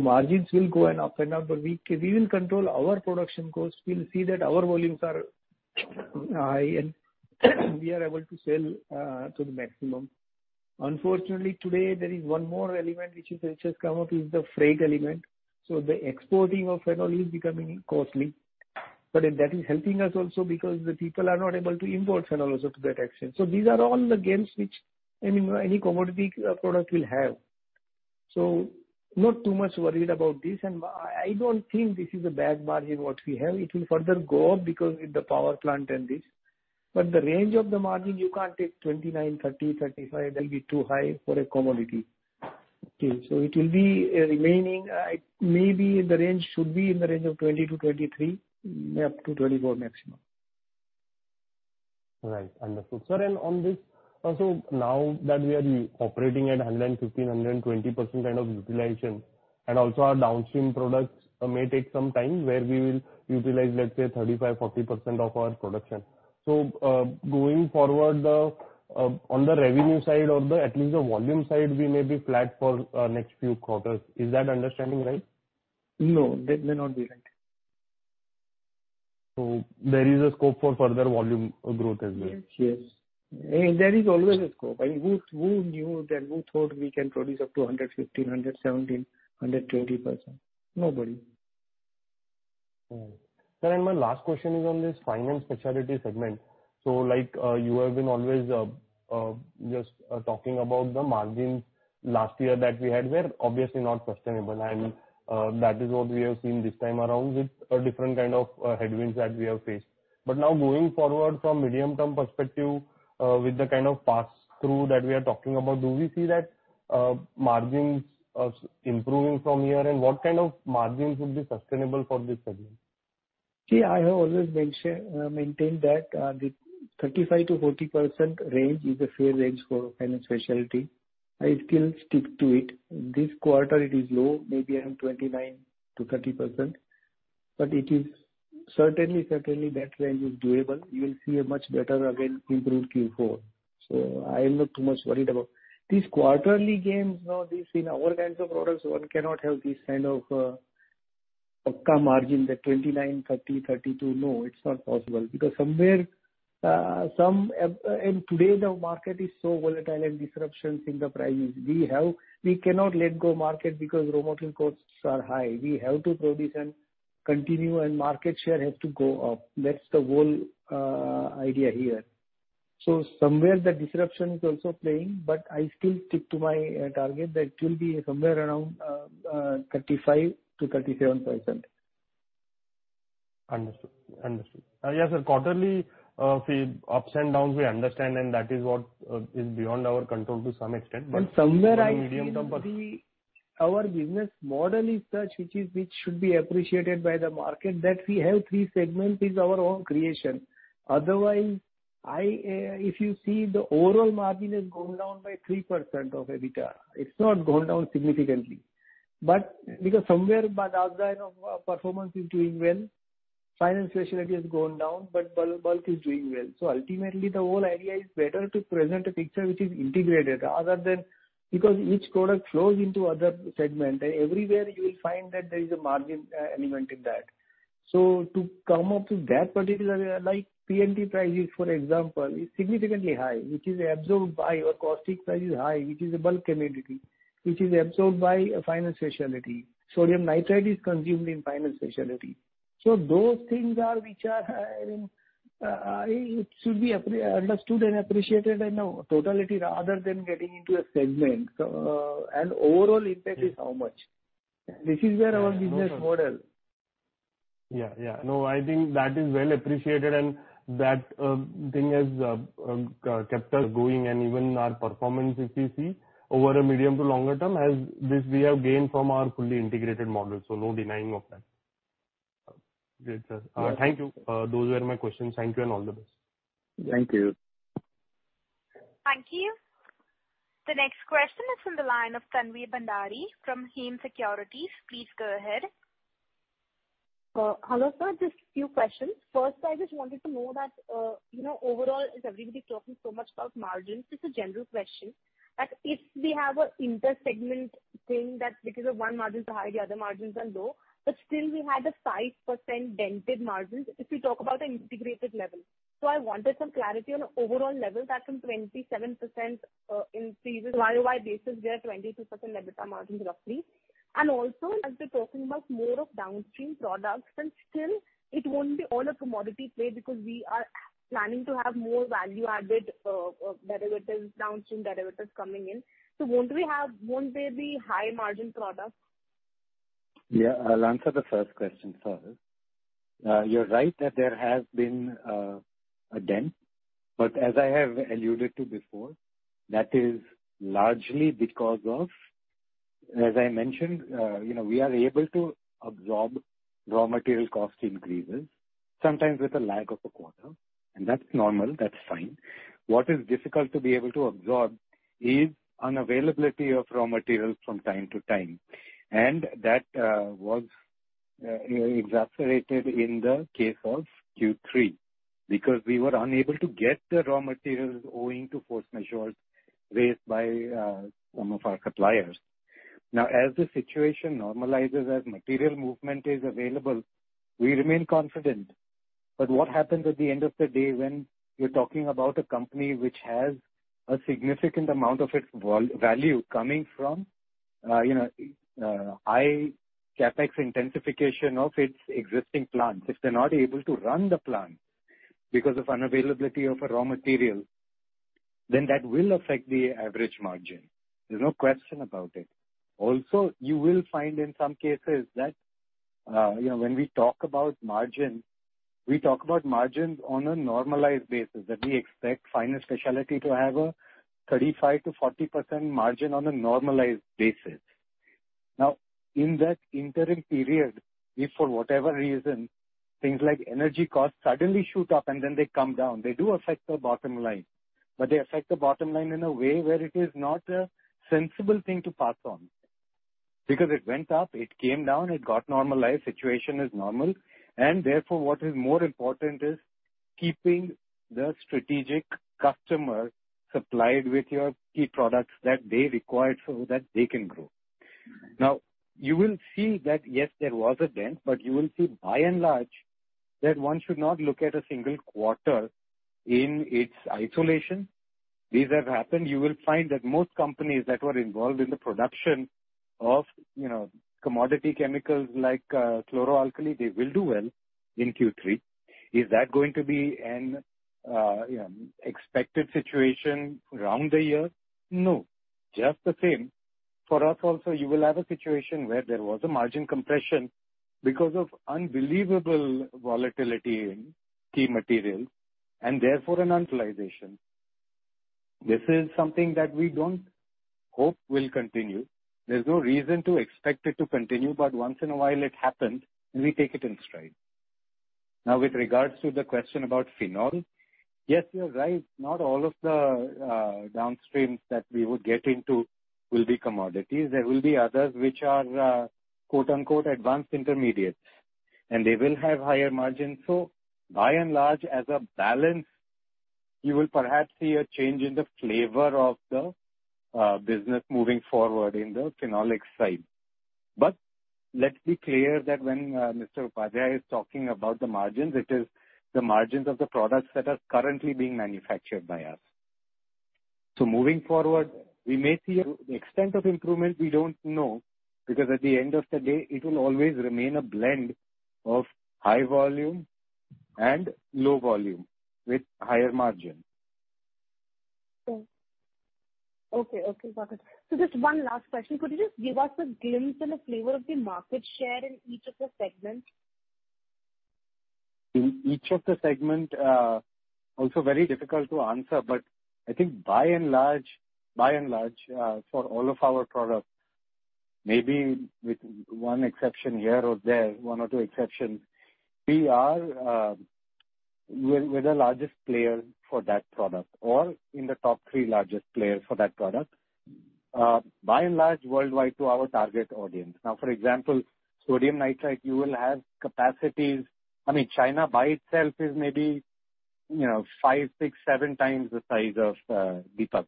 Margins will go up and up, but we will control our production costs. We'll see that our volumes are high and we are able to sell to the maximum. Unfortunately, today there is one more element which has come up, is the freight element. The exporting of phenol is becoming costly. But that is helping us also because the people are not able to import phenol also to that extent. These are all the games which any commodity product will have. Not too much worried about this. I don't think this is a bad margin what we have. It will further go up because with the power plant and this. But the range of the margin, you can't take 29%, 30%, 35%. That'll be too high for a commodity. Okay? It will be remaining, maybe the range should be in the range of 20-23, up to 24 maximum. Right. Understood. Sir, on this also now that we are operating at 115%-120% kind of utilization, and also our downstream products may take some time where we will utilize, let's say 35%-40% of our production. Going forward, the on the revenue side or the, at least the volume side, we may be flat for next few quarters. Is that understanding right? No, that may not be right. There is a scope for further volume growth as well. Yes, yes. I mean, there is always a scope. I mean, who knew that, who thought we can produce up to 115, 117, 130%? Nobody. Sir, my last question is on this Fine and Specialty segment. Like, you have been always just talking about the margins last year that we had were obviously not sustainable. Mm-hmm. That is what we have seen this time around with a different kind of headwinds that we have faced. Now going forward from medium-term perspective, with the kind of pass-through that we are talking about, do we see that margins improving from here? What kind of margins would be sustainable for this segment? See, I have always maintained that the 35%-40% range is a fair range for Fine and Specialty. I still stick to it. This quarter it is low, maybe around 29%-30%. It is certainly that range is doable. You will see a much better again improved Q4. I am not too much worried about. These quarterly gains, no, this in all kinds of products, one cannot have this kind of pakka margin, the 29, 30, 32. No, it's not possible. Because somewhere, some and today the market is so volatile and disruptions in the prices. We cannot let go market because raw material costs are high. We have to produce and continue, and market share has to go up. That's the whole idea here. Somewhere the disruption is also playing, but I still stick to my target that it will be somewhere around 35%-37%. Understood. Yes, sir, quarterly, the ups and downs we understand, and that is what is beyond our control to some extent. Somewhere I think the. on a medium-term perspective. Our business model is such which should be appreciated by the market, that we have three segments is our own creation. Otherwise, if you see the overall margin has gone down by 3% of EBITDA. It's not gone down significantly. The performance outside of Fine and Specialty is doing well, Fine and Specialty has gone down, but bulk is doing well. Ultimately, the whole idea is better to present a picture which is integrated other than. Because each product flows into other segment. Everywhere you will find that there is a margin element in that. To come up with that particular, like, PNT prices, for example, is significantly high, which is absorbed by, or caustic price is high, which is a bulk commodity, which is absorbed by Fine and Specialty. Sodium nitrite is consumed in Fine and Specialty. Those things are, which are, I mean, it should be understood and appreciated in a totality rather than getting into a segment. Overall impact is how much. This is where our business model. Yeah. Yeah. No, I think that is well appreciated, and that thing has kept us going. Even our performance, if you see, over a medium to longer term, has. This we have gained from our fully integrated model, so no denying of that. Great, sir. Yeah. Thank you. Those were my questions. Thank you, and all the best. Thank you. Thank you. The next question is from the line of Tanvi Bhandari from Hem Securities. Please go ahead. Hello, sir. Just a few questions. First, I just wanted to know that, you know, overall, is everybody talking so much about margins? Just a general question. Like, if we have an inter-segment thing that because of one margin is high, the other margins are low, but still we had a 5% dented margins if we talk about the integrated level. I wanted some clarity on an overall level that from 27%, in previous year-over-year basis, we are at 22% EBITDA margins roughly. Also, as we're talking about more of downstream products, and still it won't be all a commodity play because we are planning to have more value-added, derivatives, downstream derivatives coming in. Won't we have, won't there be high-margin products? Yeah. I'll answer the first question first. You're right that there has been a dent. As I have alluded to before, that is largely because of As I mentioned, you know, we are able to absorb raw material cost increases, sometimes with a lag of a quarter, and that's normal, that's fine. What is difficult to be able to absorb is unavailability of raw materials from time to time. That was, you know, exacerbated in the case of Q3, because we were unable to get the raw materials owing to force majeure raised by some of our suppliers. Now, as the situation normalizes, as material movement is available, we remain confident. What happens at the end of the day when you're talking about a company which has a significant amount of its value coming from, you know, high CapEx intensification of its existing plants. If they're not able to run the plant because of unavailability of a raw material, then that will affect the average margin. There's no question about it. Also, you will find in some cases that, you know, when we talk about margin, we talk about margins on a normalized basis, that we expect Fine and Specialty to have a 35%-40% margin on a normalized basis. Now, in that interim period, if for whatever reason, things like energy costs suddenly shoot up and then they come down, they do affect the bottom line, but they affect the bottom line in a way where it is not a sensible thing to pass on. Because it went up, it came down, it got normalized, situation is normal, and therefore what is more important is keeping the strategic customer supplied with your key products that they require so that they can grow. Now, you will see that, yes, there was a dent, but you will see by and large that one should not look at a single quarter in its isolation. These have happened. You will find that most companies that were involved in the production of, you know, commodity chemicals like chlor-alkali, they will do well in Q3. Is that going to be an expected situation around the year? No. Just the same. For us also, you will have a situation where there was a margin compression because of unbelievable volatility in key materials and therefore an utilization. This is something that we don't hope will continue. There's no reason to expect it to continue, but once in a while it happens, and we take it in stride. Now, with regards to the question about phenol. Yes, you're right. Not all of the downstreams that we would get into will be commodities. There will be others which are quote-unquote advanced intermediates, and they will have higher margins. By and large, as a balance, you will perhaps see a change in the flavor of the business moving forward in the phenolic side. Let's be clear that when Mr. Upadhyay is talking about the margins, it is the margins of the products that are currently being manufactured by us. Moving forward, we may see the extent of improvement. We don't know, because at the end of the day, it will always remain a blend of high volume and low volume with higher margin. Okay, got it. Just one last question. Could you just give us a glimpse and a flavor of the market share in each of the segments? In each of the segment, also very difficult to answer, but I think by and large, for all of our products, maybe with one exception here or there, one or two exceptions, we are, we're the largest player for that product or in the top three largest players for that product, by and large worldwide to our target audience. Now, for example, sodium nitrite, you will have capacities. I mean, China by itself is maybe five, six, seven times the size of Deepak,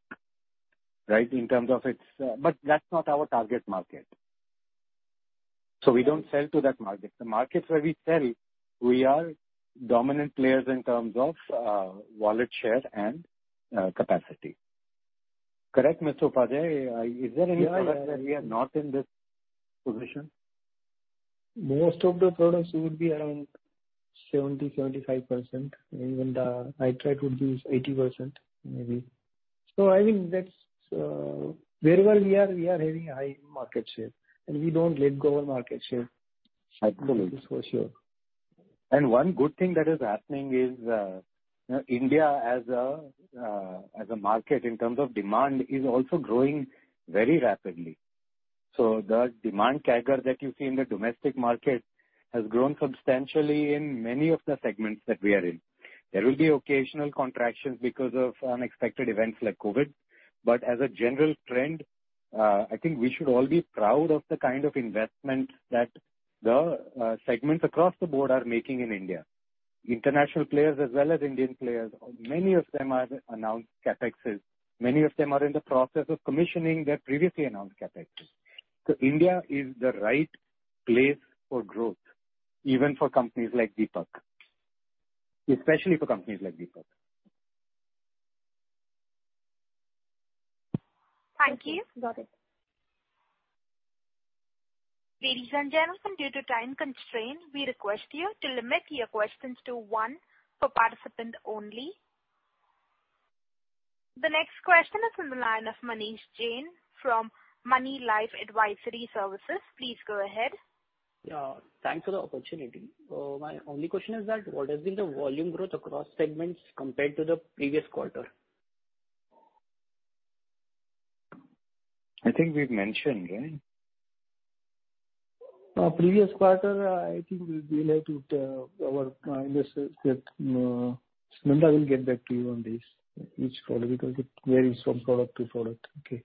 right? In terms of its. But that's not our target market. So we don't sell to that market. The markets where we sell, we are dominant players in terms of wallet share and capacity. Correct, Mr. Upadhyay? Is there any product that we are not in this position? Most of the products would be around 70-75%. Even the nitrite would be 80% maybe. I think that's. Wherever we are, we are having high market share, and we don't let go of market share. Absolutely. That is for sure. One good thing that is happening is, you know, India as a, as a market in terms of demand is also growing very rapidly. The demand CAGR that you see in the domestic market has grown substantially in many of the segments that we are in. There will be occasional contractions because of unexpected events like COVID. As a general trend, I think we should all be proud of the kind of investment that the segments across the board are making in India. International players as well as Indian players, many of them have announced CapExes, many of them are in the process of commissioning their previously announced CapExes. India is the right place for growth, even for companies like Deepak. Especially for companies like Deepak. Thank you. Got it. Ladies and gentlemen, due to time constraint, we request you to limit your questions to one per participant only. The next question is from the line of Manish Jain from Moneylife Advisory Services. Please go ahead. Yeah, thanks for the opportunity. My only question is that what has been the volume growth across segments compared to the previous quarter? I think we've mentioned, right? Previous quarter, I think we've been able to our investors that Somsekhar Nanda will get back to you on this, each quarter, because it varies from product to product. Okay.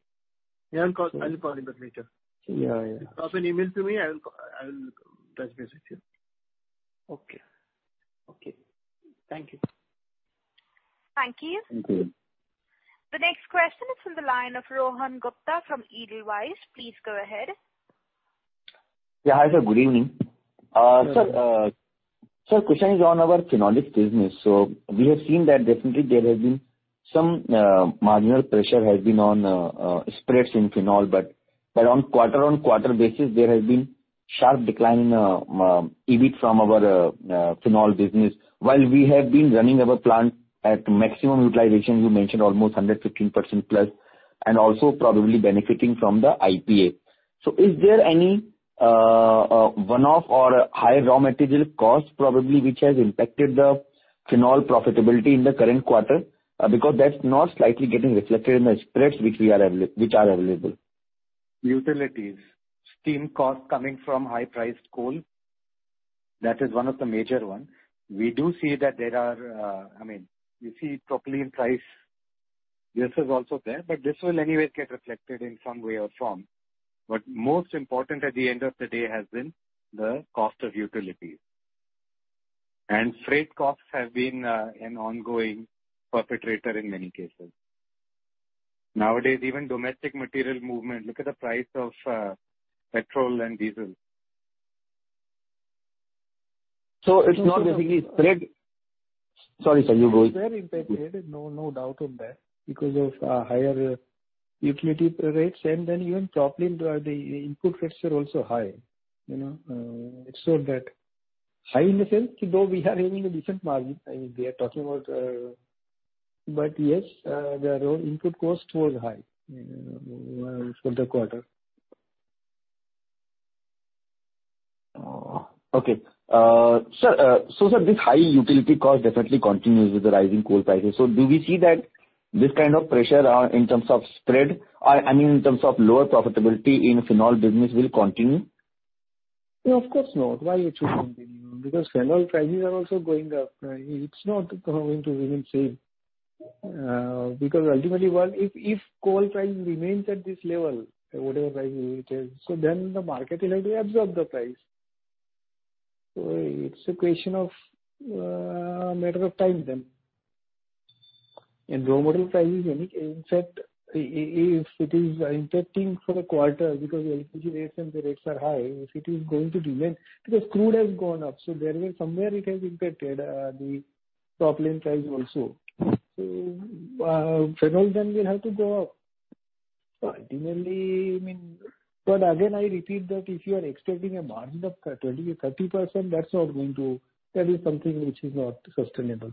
Yeah. I will call you back later. Yeah. Drop an email to me, I will touch base with you. Okay. Okay. Thank you. Thank you. Thank you. The next question is from the line of Rohan Gupta from Edelweiss. Please go ahead. Yeah, hi sir. Good evening. Question is on our phenolic business. We have seen that definitely there has been some marginal pressure on spreads in phenol, but on a quarter-on-quarter basis, there has been a sharp decline in EBIT from our phenol business, while we have been running our plant at maximum utilization, you mentioned almost 115%+, and also probably benefiting from the IPA. Is there any one-off or high raw material cost probably which has impacted the phenol profitability in the current quarter? Because that's not quite getting reflected in the spreads which are available. Utilities. Steam costs coming from high-priced coal. That is one of the major one. We do see that there are, I mean, you see propylene price, this is also there, but this will anyway get reflected in some way or form. Most important at the end of the day has been the cost of utilities. Freight costs have been an ongoing perpetrator in many cases. Nowadays, even domestic material movement, look at the price of petrol and diesel. Sorry, sir. You go ahead. It's very impacted. No, no doubt in that because of higher utility rates and then even propylene, the input rates are also high. You know, it's so that high in the sense, though we are having a decent margin, I mean, we are talking about. Yes, the raw input cost was high, you know, for the quarter. Okay. Sir, this high utility cost definitely continues with the rising coal prices. Do we see that this kind of pressure in terms of spread, or, I mean, in terms of lower profitability in phenol business will continue? No, of course not. Why should it continue? Because phenol prices are also going up. It's not going to remain same. Because ultimately, well, if coal price remains at this level, whatever price it is, then the market will have to absorb the price. It's a question of matter of time then. Raw material prices, I mean, in fact, if it is impacting for a quarter because LPG rates and the rates are high, if it is going to remain because crude has gone up, so there is somewhere it has impacted the propylene price also. Phenol then will have to go up. Ultimately, I mean, again, I repeat that if you are expecting a margin of 20% or 30%, that's not going to. That is something which is not sustainable.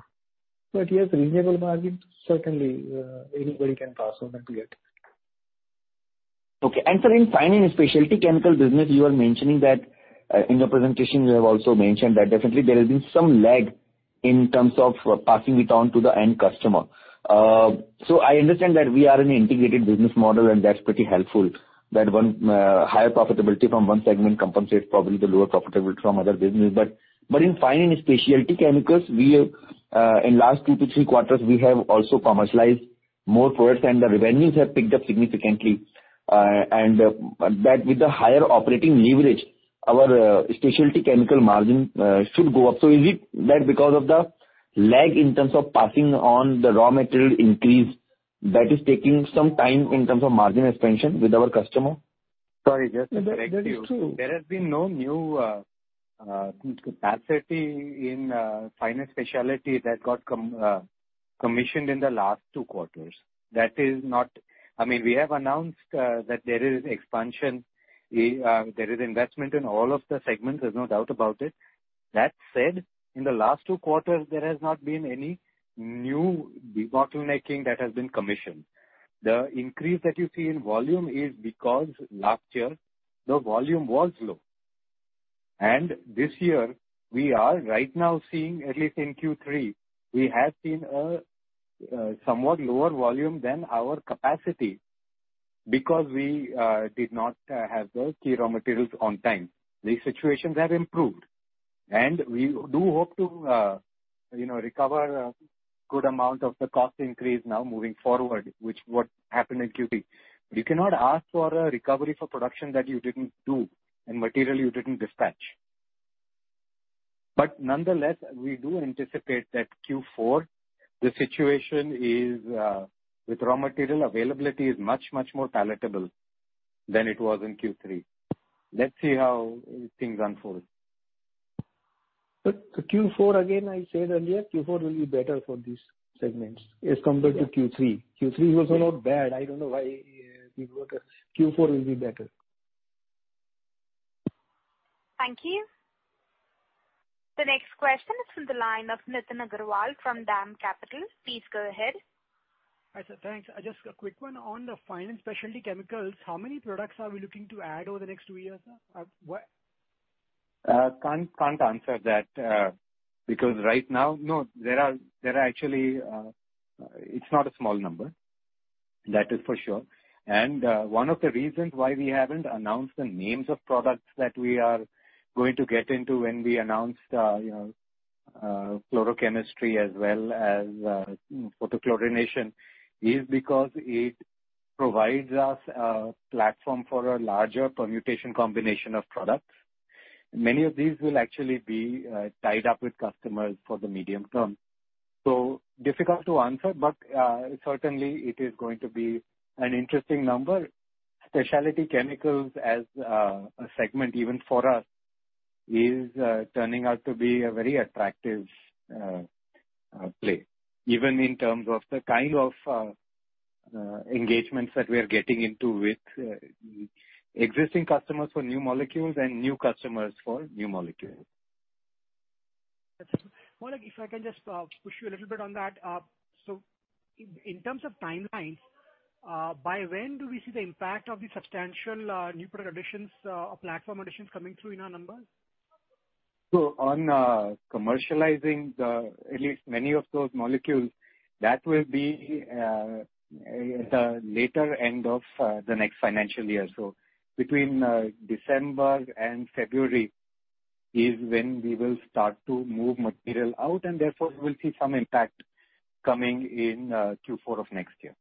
Yes, reasonable margin, certainly. Anybody can pass on and get. Okay. Sir, in Fine and Specialty Chemicals business, you are mentioning that in the presentation you have also mentioned that definitely there has been some lag in terms of passing it on to the end customer. I understand that we are an integrated business model, and that's pretty helpful. That one higher profitability from one segment compensates probably the lower profitability from other business. In Fine and Specialty Chemicals, we have in last two-three quarters we have also commercialized more products and the revenues have picked up significantly. That with the higher operating leverage, our specialty chemical margin should go up. Is it that because of the lag in terms of passing on the raw material increase that is taking some time in terms of margin expansion with our customer? Sorry, just to correct you. That is true. There has been no new capacity in Fine and Specialty that got commissioned in the last two quarters. That is not. I mean, we have announced that there is expansion. There is investment in all of the segments, there's no doubt about it. That said, in the last two quarters, there has not been any new debottlenecking that has been commissioned. The increase that you see in volume is because last year the volume was low. This year we are right now seeing, at least in Q3, we have seen a somewhat lower volume than our capacity because we did not have the key raw materials on time. The situations have improved, and we do hope to recover a good amount of the cost increase now moving forward, which is what happened in Q3. You cannot ask for a recovery for production that you didn't do and material you didn't dispatch. Nonetheless, we do anticipate that Q4 with raw material availability is much, much more palatable than it was in Q3. Let's see how things unfold. Q4, again, I said earlier, Q4 will be better for these segments as compared to Q3. Q3 was also not bad. I don't know why people are. Q4 will be better. Thank you. The next question is from the line of Nitin Agarwal from DAM Capital. Please go ahead. Hi, sir. Thanks. I just have a quick one on the Fine and Specialty Chemicals. How many products are we looking to add over the next two years, sir? Can't answer that because right now. No, there are actually it's not a small number. That is for sure. One of the reasons why we haven't announced the names of products that we are going to get into when we announced, you know, chlorochemistry as well as photochlorination is because it provides us a platform for a larger permutation combination of products. Many of these will actually be tied up with customers for the medium term. Difficult to answer, but certainly it is going to be an interesting number. Speciality chemicals as a segment even for us is turning out to be a very attractive play, even in terms of the kind of engagements that we are getting into with existing customers for new molecules and new customers for new molecules. That's it. More like if I can just push you a little bit on that. So in terms of timelines, by when do we see the impact of the substantial new product additions or platform additions coming through in our numbers? On commercializing the at least many of those molecules, that will be at the later end of the next financial year. Between December and February is when we will start to move material out, and therefore we'll see some impact coming in Q4 of next year.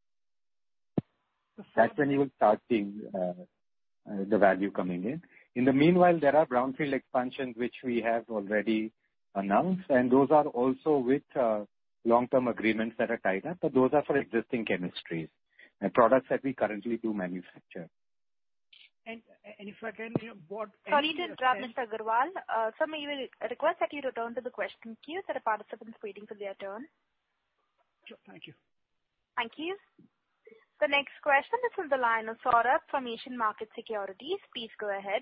That's when you will start seeing the value coming in. In the meanwhile, there are brownfield expansions which we have already announced, and those are also with long-term agreements that are tied up, but those are for existing chemistries and products that we currently do manufacture. if I can, you know, what Sorry to interrupt, Mr. Agarwal. Sir, may we request that you return to the question queue? There are participants waiting for their turn. Sure. Thank you. Thank you. The next question is from the line of Saurabh from Asian Markets Securities. Please go ahead.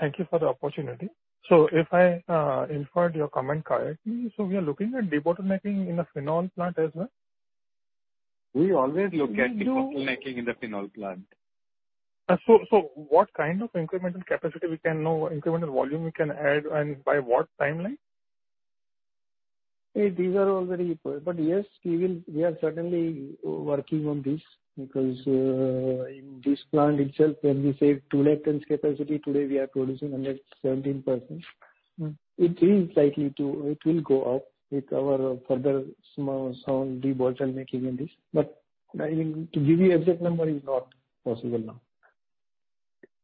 Thank you for the opportunity. If I inferred your comment correctly, so we are looking at debottlenecking in the phenol plant as well? We always look at. We know. debottlenecking in the phenol plant. What kind of incremental capacity we can know, incremental volume we can add and by what timeline? These are all very important. Yes, we will. We are certainly working on this because, in this plant itself, when we say 2 lakh tons capacity, today we are producing 117%. Mm-hmm. It will go up with our further small debottlenecking in this. But I think to give you exact number is not possible now.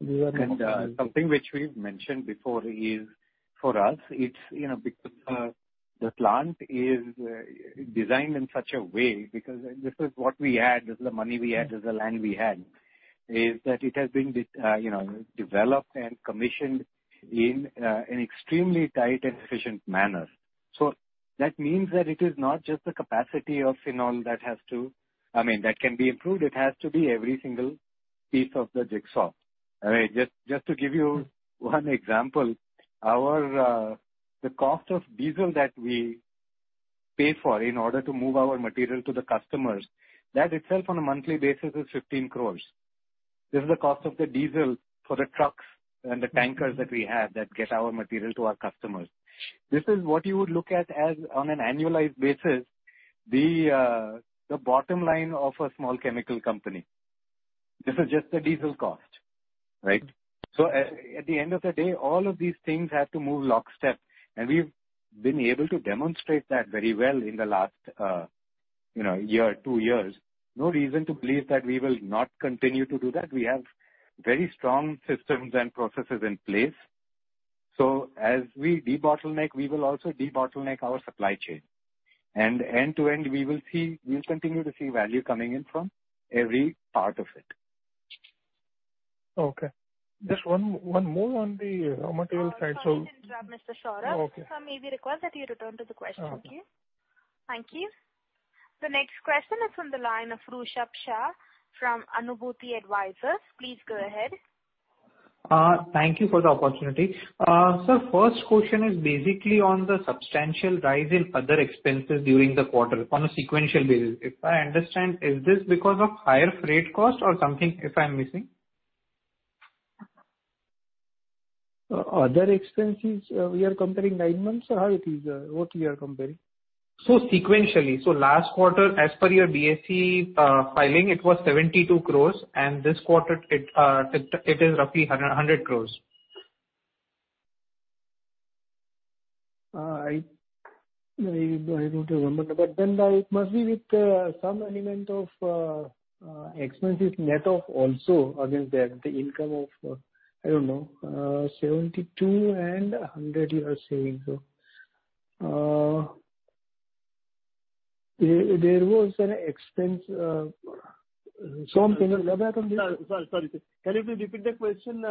These are numbers. Something which we've mentioned before is for us it's, you know, because the plant is designed in such a way because this is what we had, this is the money we had, this is the land we had, is that it has been developed and commissioned in an extremely tight and efficient manner. That means that it is not just the capacity of phenol that has to, I mean, that can be improved. It has to be every single piece of the jigsaw. All right. Just to give you one example, our the cost of diesel that we pay for in order to move our material to the customers, that itself on a monthly basis is 15 crores. This is the cost of the diesel for the trucks and the tankers that we have that get our material to our customers. This is what you would look at as on an annualized basis, the bottom line of a small chemical company. This is just the diesel cost, right? At the end of the day, all of these things have to move lockstep, and we've been able to demonstrate that very well in the last you know year, two years. No reason to believe that we will not continue to do that. We have very strong systems and processes in place. As we debottleneck, we will also debottleneck our supply chain. End to end, we will see. We'll continue to see value coming in from every part of it. Okay. Just one more on the raw material side. Sorry to interrupt, Mr. Saurabh. Okay. Sir, may we request that you return to the question queue? Uh. Thank you. The next question is from the line of Rushabh Shah from Anubhuti Advisors. Please go ahead. Thank you for the opportunity. First question is basically on the substantial rise in other expenses during the quarter on a sequential basis. If I understand, is this because of higher freight cost or something, if I'm missing? Other expenses, we are comparing nine months or how it is, what we are comparing? Sequentially, last quarter, as per your BSE filing, it was 72 crore, and this quarter it is roughly 100 crore. I don't remember. It must be with some element of expenses net of also against the income of, I don't know, 72 and 100 you are saying. There was an expense, some payment. Was I confused? Sir, sorry, sir. Can you please repeat the question,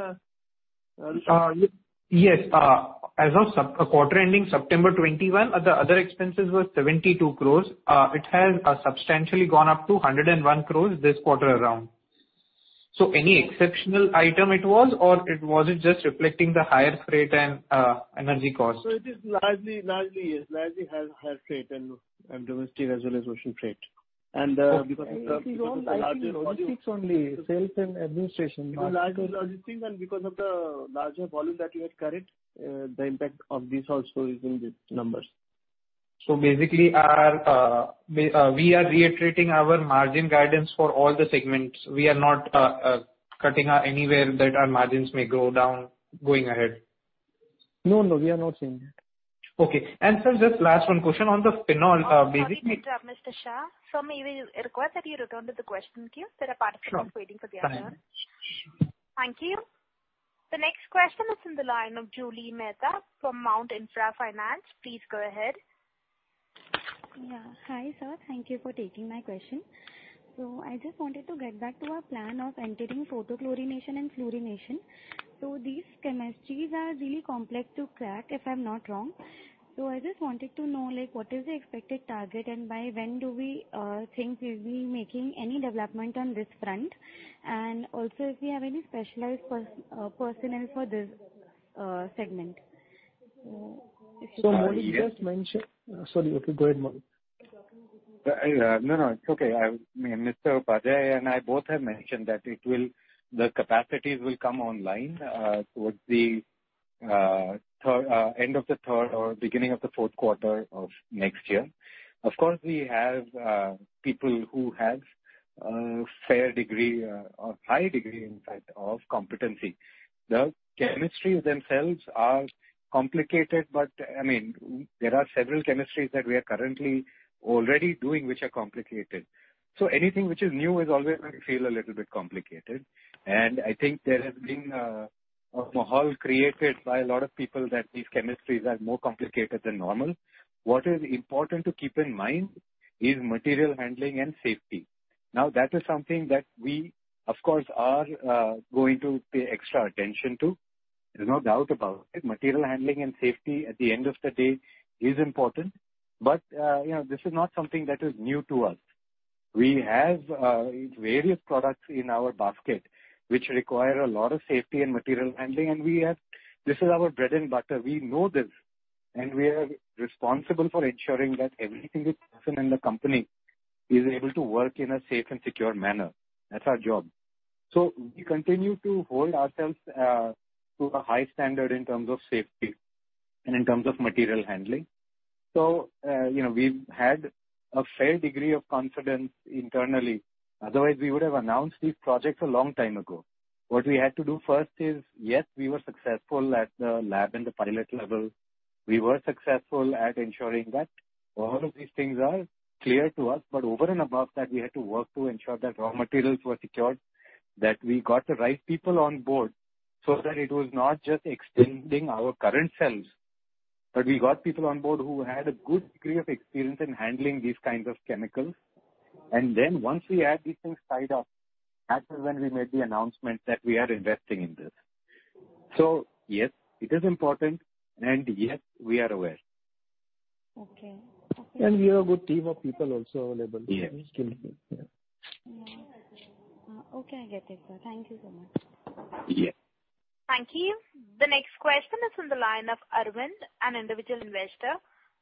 Rushabh? Yes. As of Sep quarter ending September 2021, the other expenses were 72 crores. It has substantially gone up to 101 crores this quarter around. Any exceptional item it was, or was it just reflecting the higher freight and energy costs? It is largely, yes. Largely has higher freight and domestic as well as ocean freight. Because of the- Okay. Logistics only. Sales and administration. The larger logistics and because of the larger volume that we have carried, the impact of this also is in the numbers. Basically we are reiterating our margin guidance for all the segments. We are not cutting anywhere that our margins may go down going ahead. No, no, we are not saying that. Okay. Sir, just last one question on the spin-off, basically- Sorry to interrupt, Mr. Shah. Sir, may we request that you return to the question queue? There are participants waiting for their turn. Sure. Thank you. The next question is in the line of Julie Mehta from Mount Intra Finance. Please go ahead. Yeah. Hi, sir. Thank you for taking my question. I just wanted to get back to our plan of entering photochlorination and fluorination. These chemistries are really complex to crack, if I'm not wrong. I just wanted to know, like what is the expected target and by when do we think we'll be making any development on this front? And also if we have any specialized personnel for this segment. If you can- Maulik just mentioned. Sorry. Okay, go ahead, Maulik. No, it's okay. Mr. Upadhyay and I both have mentioned that the capacities will come online towards the end of the third or beginning of the fourth quarter of next year. Of course, we have people who have a fair degree or high degree in fact of competency. The chemistries themselves are complicated, but I mean, there are several chemistries that we are currently already doing which are complicated. Anything which is new is always going to feel a little bit complicated. I think there has been a hullabaloo created by a lot of people that these chemistries are more complicated than normal. What is important to keep in mind is material handling and safety. Now, that is something that we of course are going to pay extra attention to. There's no doubt about it. Material handling and safety at the end of the day is important. You know, this is not something that is new to us. We have various products in our basket which require a lot of safety and material handling, and this is our bread and butter. We know this, and we are responsible for ensuring that every single person in the company is able to work in a safe and secure manner. That's our job. We continue to hold ourselves to a high standard in terms of safety and in terms of material handling. You know, we've had a fair degree of confidence internally. Otherwise, we would have announced these projects a long time ago. What we had to do first is, yes, we were successful at the lab and the pilot level. We were successful at ensuring that all of these things are clear to us. Over and above that, we had to work to ensure that raw materials were secured, that we got the right people on board so that it was not just extending our current selves, but we got people on board who had a good degree of experience in handling these kinds of chemicals. Once we had these things tied up, that is when we made the announcement that we are investing in this. Yes, it is important and yes, we are aware. Okay. We have a good team of people also available. Yes. Yeah. Yeah. Okay, I get it, sir. Thank you so much. Yes. Thank you. The next question is on the line of Arvind, an individual investor.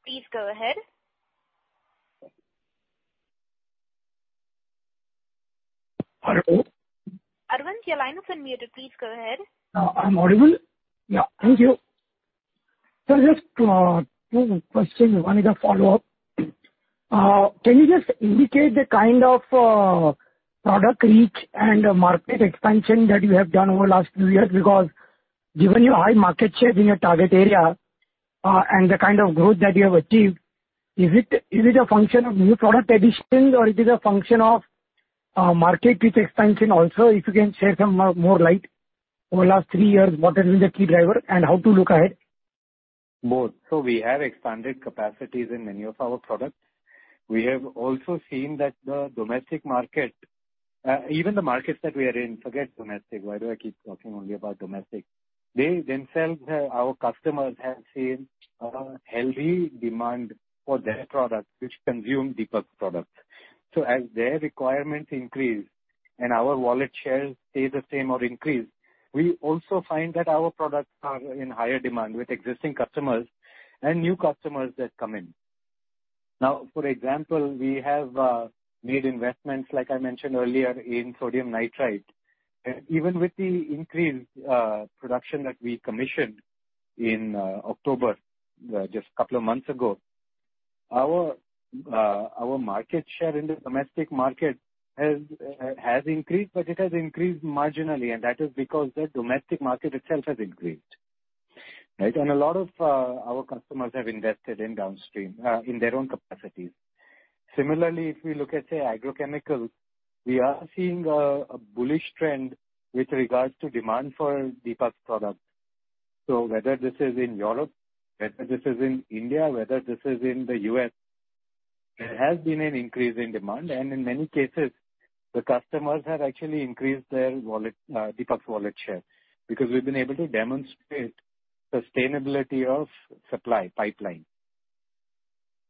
Please go ahead. Hello. Arvind, your line is unmuted. Please go ahead. I'm audible? Yeah, thank you. Just two questions. One is a follow-up. Can you just indicate the kind of product reach and market expansion that you have done over the last few years? Because given your high market share in your target area and the kind of growth that you have achieved, is it a function of new product additions or is it a function of market reach expansion also? If you can shed some more light over the last three years, what has been the key driver and how to look ahead? Both. We have expanded capacities in many of our products. We have also seen that the domestic market, even the markets that we are in, forget domestic. Why do I keep talking only about domestic? Our customers have seen a healthy demand for their products which consume Deepak's products. As their requirements increase and our wallet share stays the same or increase, we also find that our products are in higher demand with existing customers and new customers that come in. Now, for example, we have made investments, like I mentioned earlier, in sodium nitrite. Even with the increased production that we commissioned in October, just a couple of months ago, our market share in the domestic market has increased, but it has increased marginally. That is because the domestic market itself has increased. Right. A lot of our customers have invested in downstream in their own capacities. Similarly, if we look at, say, agrochemicals, we are seeing a bullish trend with regards to demand for Deepak's products. Whether this is in Europe, whether this is in India, whether this is in the U.S., there has been an increase in demand. In many cases, the customers have actually increased their wallet Deepak's wallet share because we've been able to demonstrate sustainability of supply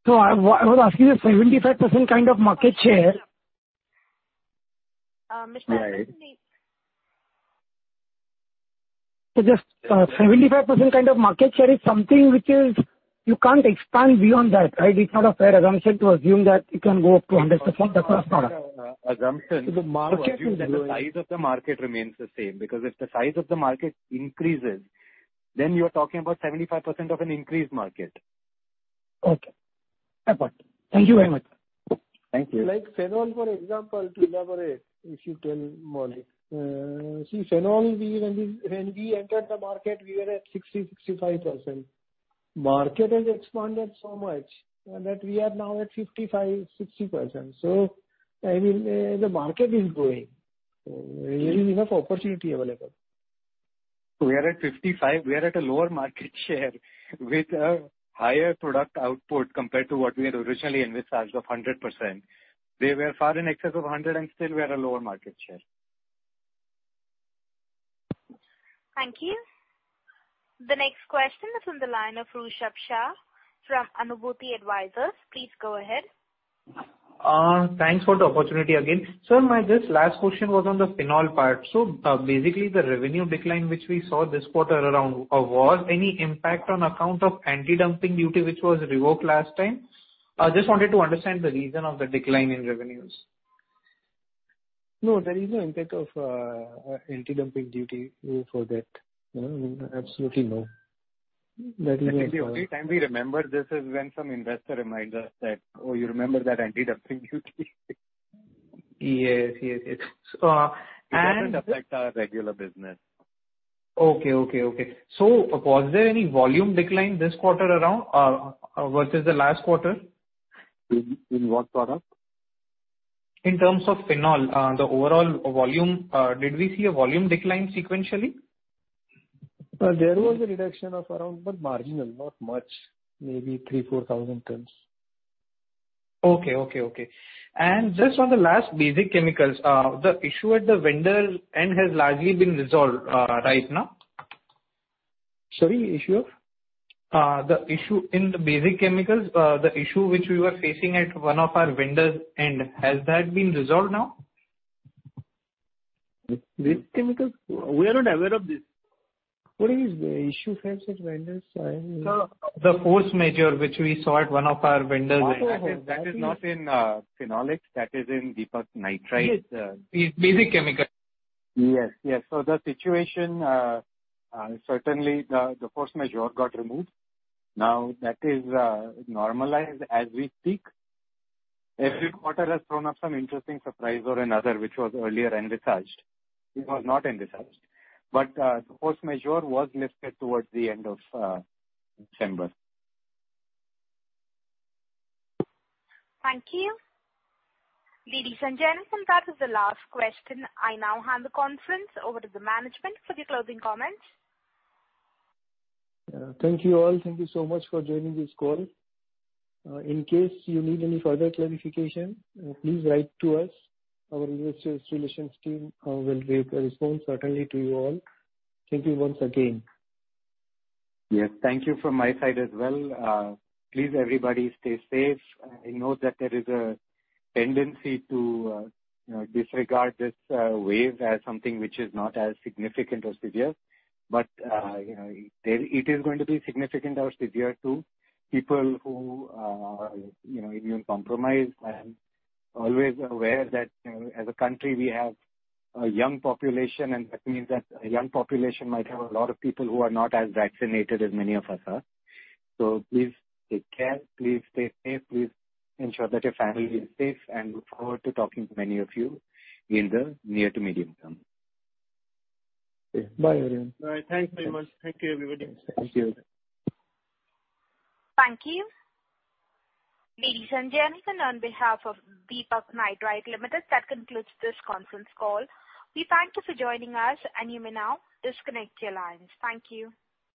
pipeline. I was asking the 75% kind of market share. Mr. Right. Just 75% kind of market share is something which is you can't expand beyond that, right? It's not a fair assumption to assume that it can go up to 100%. That's not Assumption. The market The size of the market remains the same. Because if the size of the market increases, then you are talking about 75% of an increased market. Okay. Fair point. Thank you very much. Thank you. Like phenol for example, to elaborate, if you tell Maulik Mehta. See, phenol, when we entered the market, we were at 65%. Market has expanded so much that we are now at 55%-60%. I mean, the market is growing. There is enough opportunity available. We are at 55%. We are at a lower market share with a higher product output compared to what we had originally envisaged of 100%. We were far in excess of 100% and still we are at a lower market share. Thank you. The next question is on the line of Rushabh Shah from Anubhuti Advisors. Please go ahead. Thanks for the opportunity again. Sir, my just last question was on the phenol part. Basically the revenue decline which we saw this quarter around was any impact on account of anti-dumping duty which was revoked last time? I just wanted to understand the reason of the decline in revenues. No, there is no impact of anti-dumping duty for that. No, absolutely no. That is. The only time we remember this is when some investor reminds us that, "Oh, you remember that anti-dumping duty? Yes. It doesn't affect our regular business. Okay. Was there any volume decline this quarter around versus the last quarter? In what product? In terms of phenol, the overall volume, did we see a volume decline sequentially? There was a reduction of around, but marginal, not much. Maybe 3,000-4,000 tons. Okay. Just on the last basic chemicals, the issue at the vendor end has largely been resolved, right now? Sorry, issue of? The issue which we were facing at one of our vendor's end, has that been resolved now? Basic chemicals? We are not aware of this. What is the issue faced at vendors? The force majeure which we saw at one of our vendor's end. That is not in phenolics. That is in Deepak Nitrite. Basic chemical. Yes. The situation certainly the force majeure got removed. Now that is normalized as we speak. Every quarter has thrown up some interesting surprise or another, which was earlier envisaged. This was not envisaged. The force majeure was lifted towards the end of December. Thank you. Ladies and gentlemen, that is the last question. I now hand the conference over to the management for the closing comments. Thank you all. Thank you so much for joining this call. In case you need any further clarification, please write to us. Our investor relations team will respond certainly to you all. Thank you once again. Yes, thank you from my side as well. Please everybody stay safe. I know that there is a tendency to, you know, disregard this, wave as something which is not as significant or severe. You know, it is going to be significant or severe to people who, you know, immune compromised. Always aware that, you know, as a country we have a young population, and that means that a young population might have a lot of people who are not as vaccinated as many of us are. Please take care. Please stay safe. Please ensure that your family is safe. Look forward to talking to many of you in the near to medium term. Bye everyone. Bye. Thanks very much. Thank you everybody. Thank you. Thank you. Ladies and gentlemen, on behalf of Deepak Nitrite Limited, that concludes this conference call. We thank you for joining us, and you may now disconnect your lines. Thank you.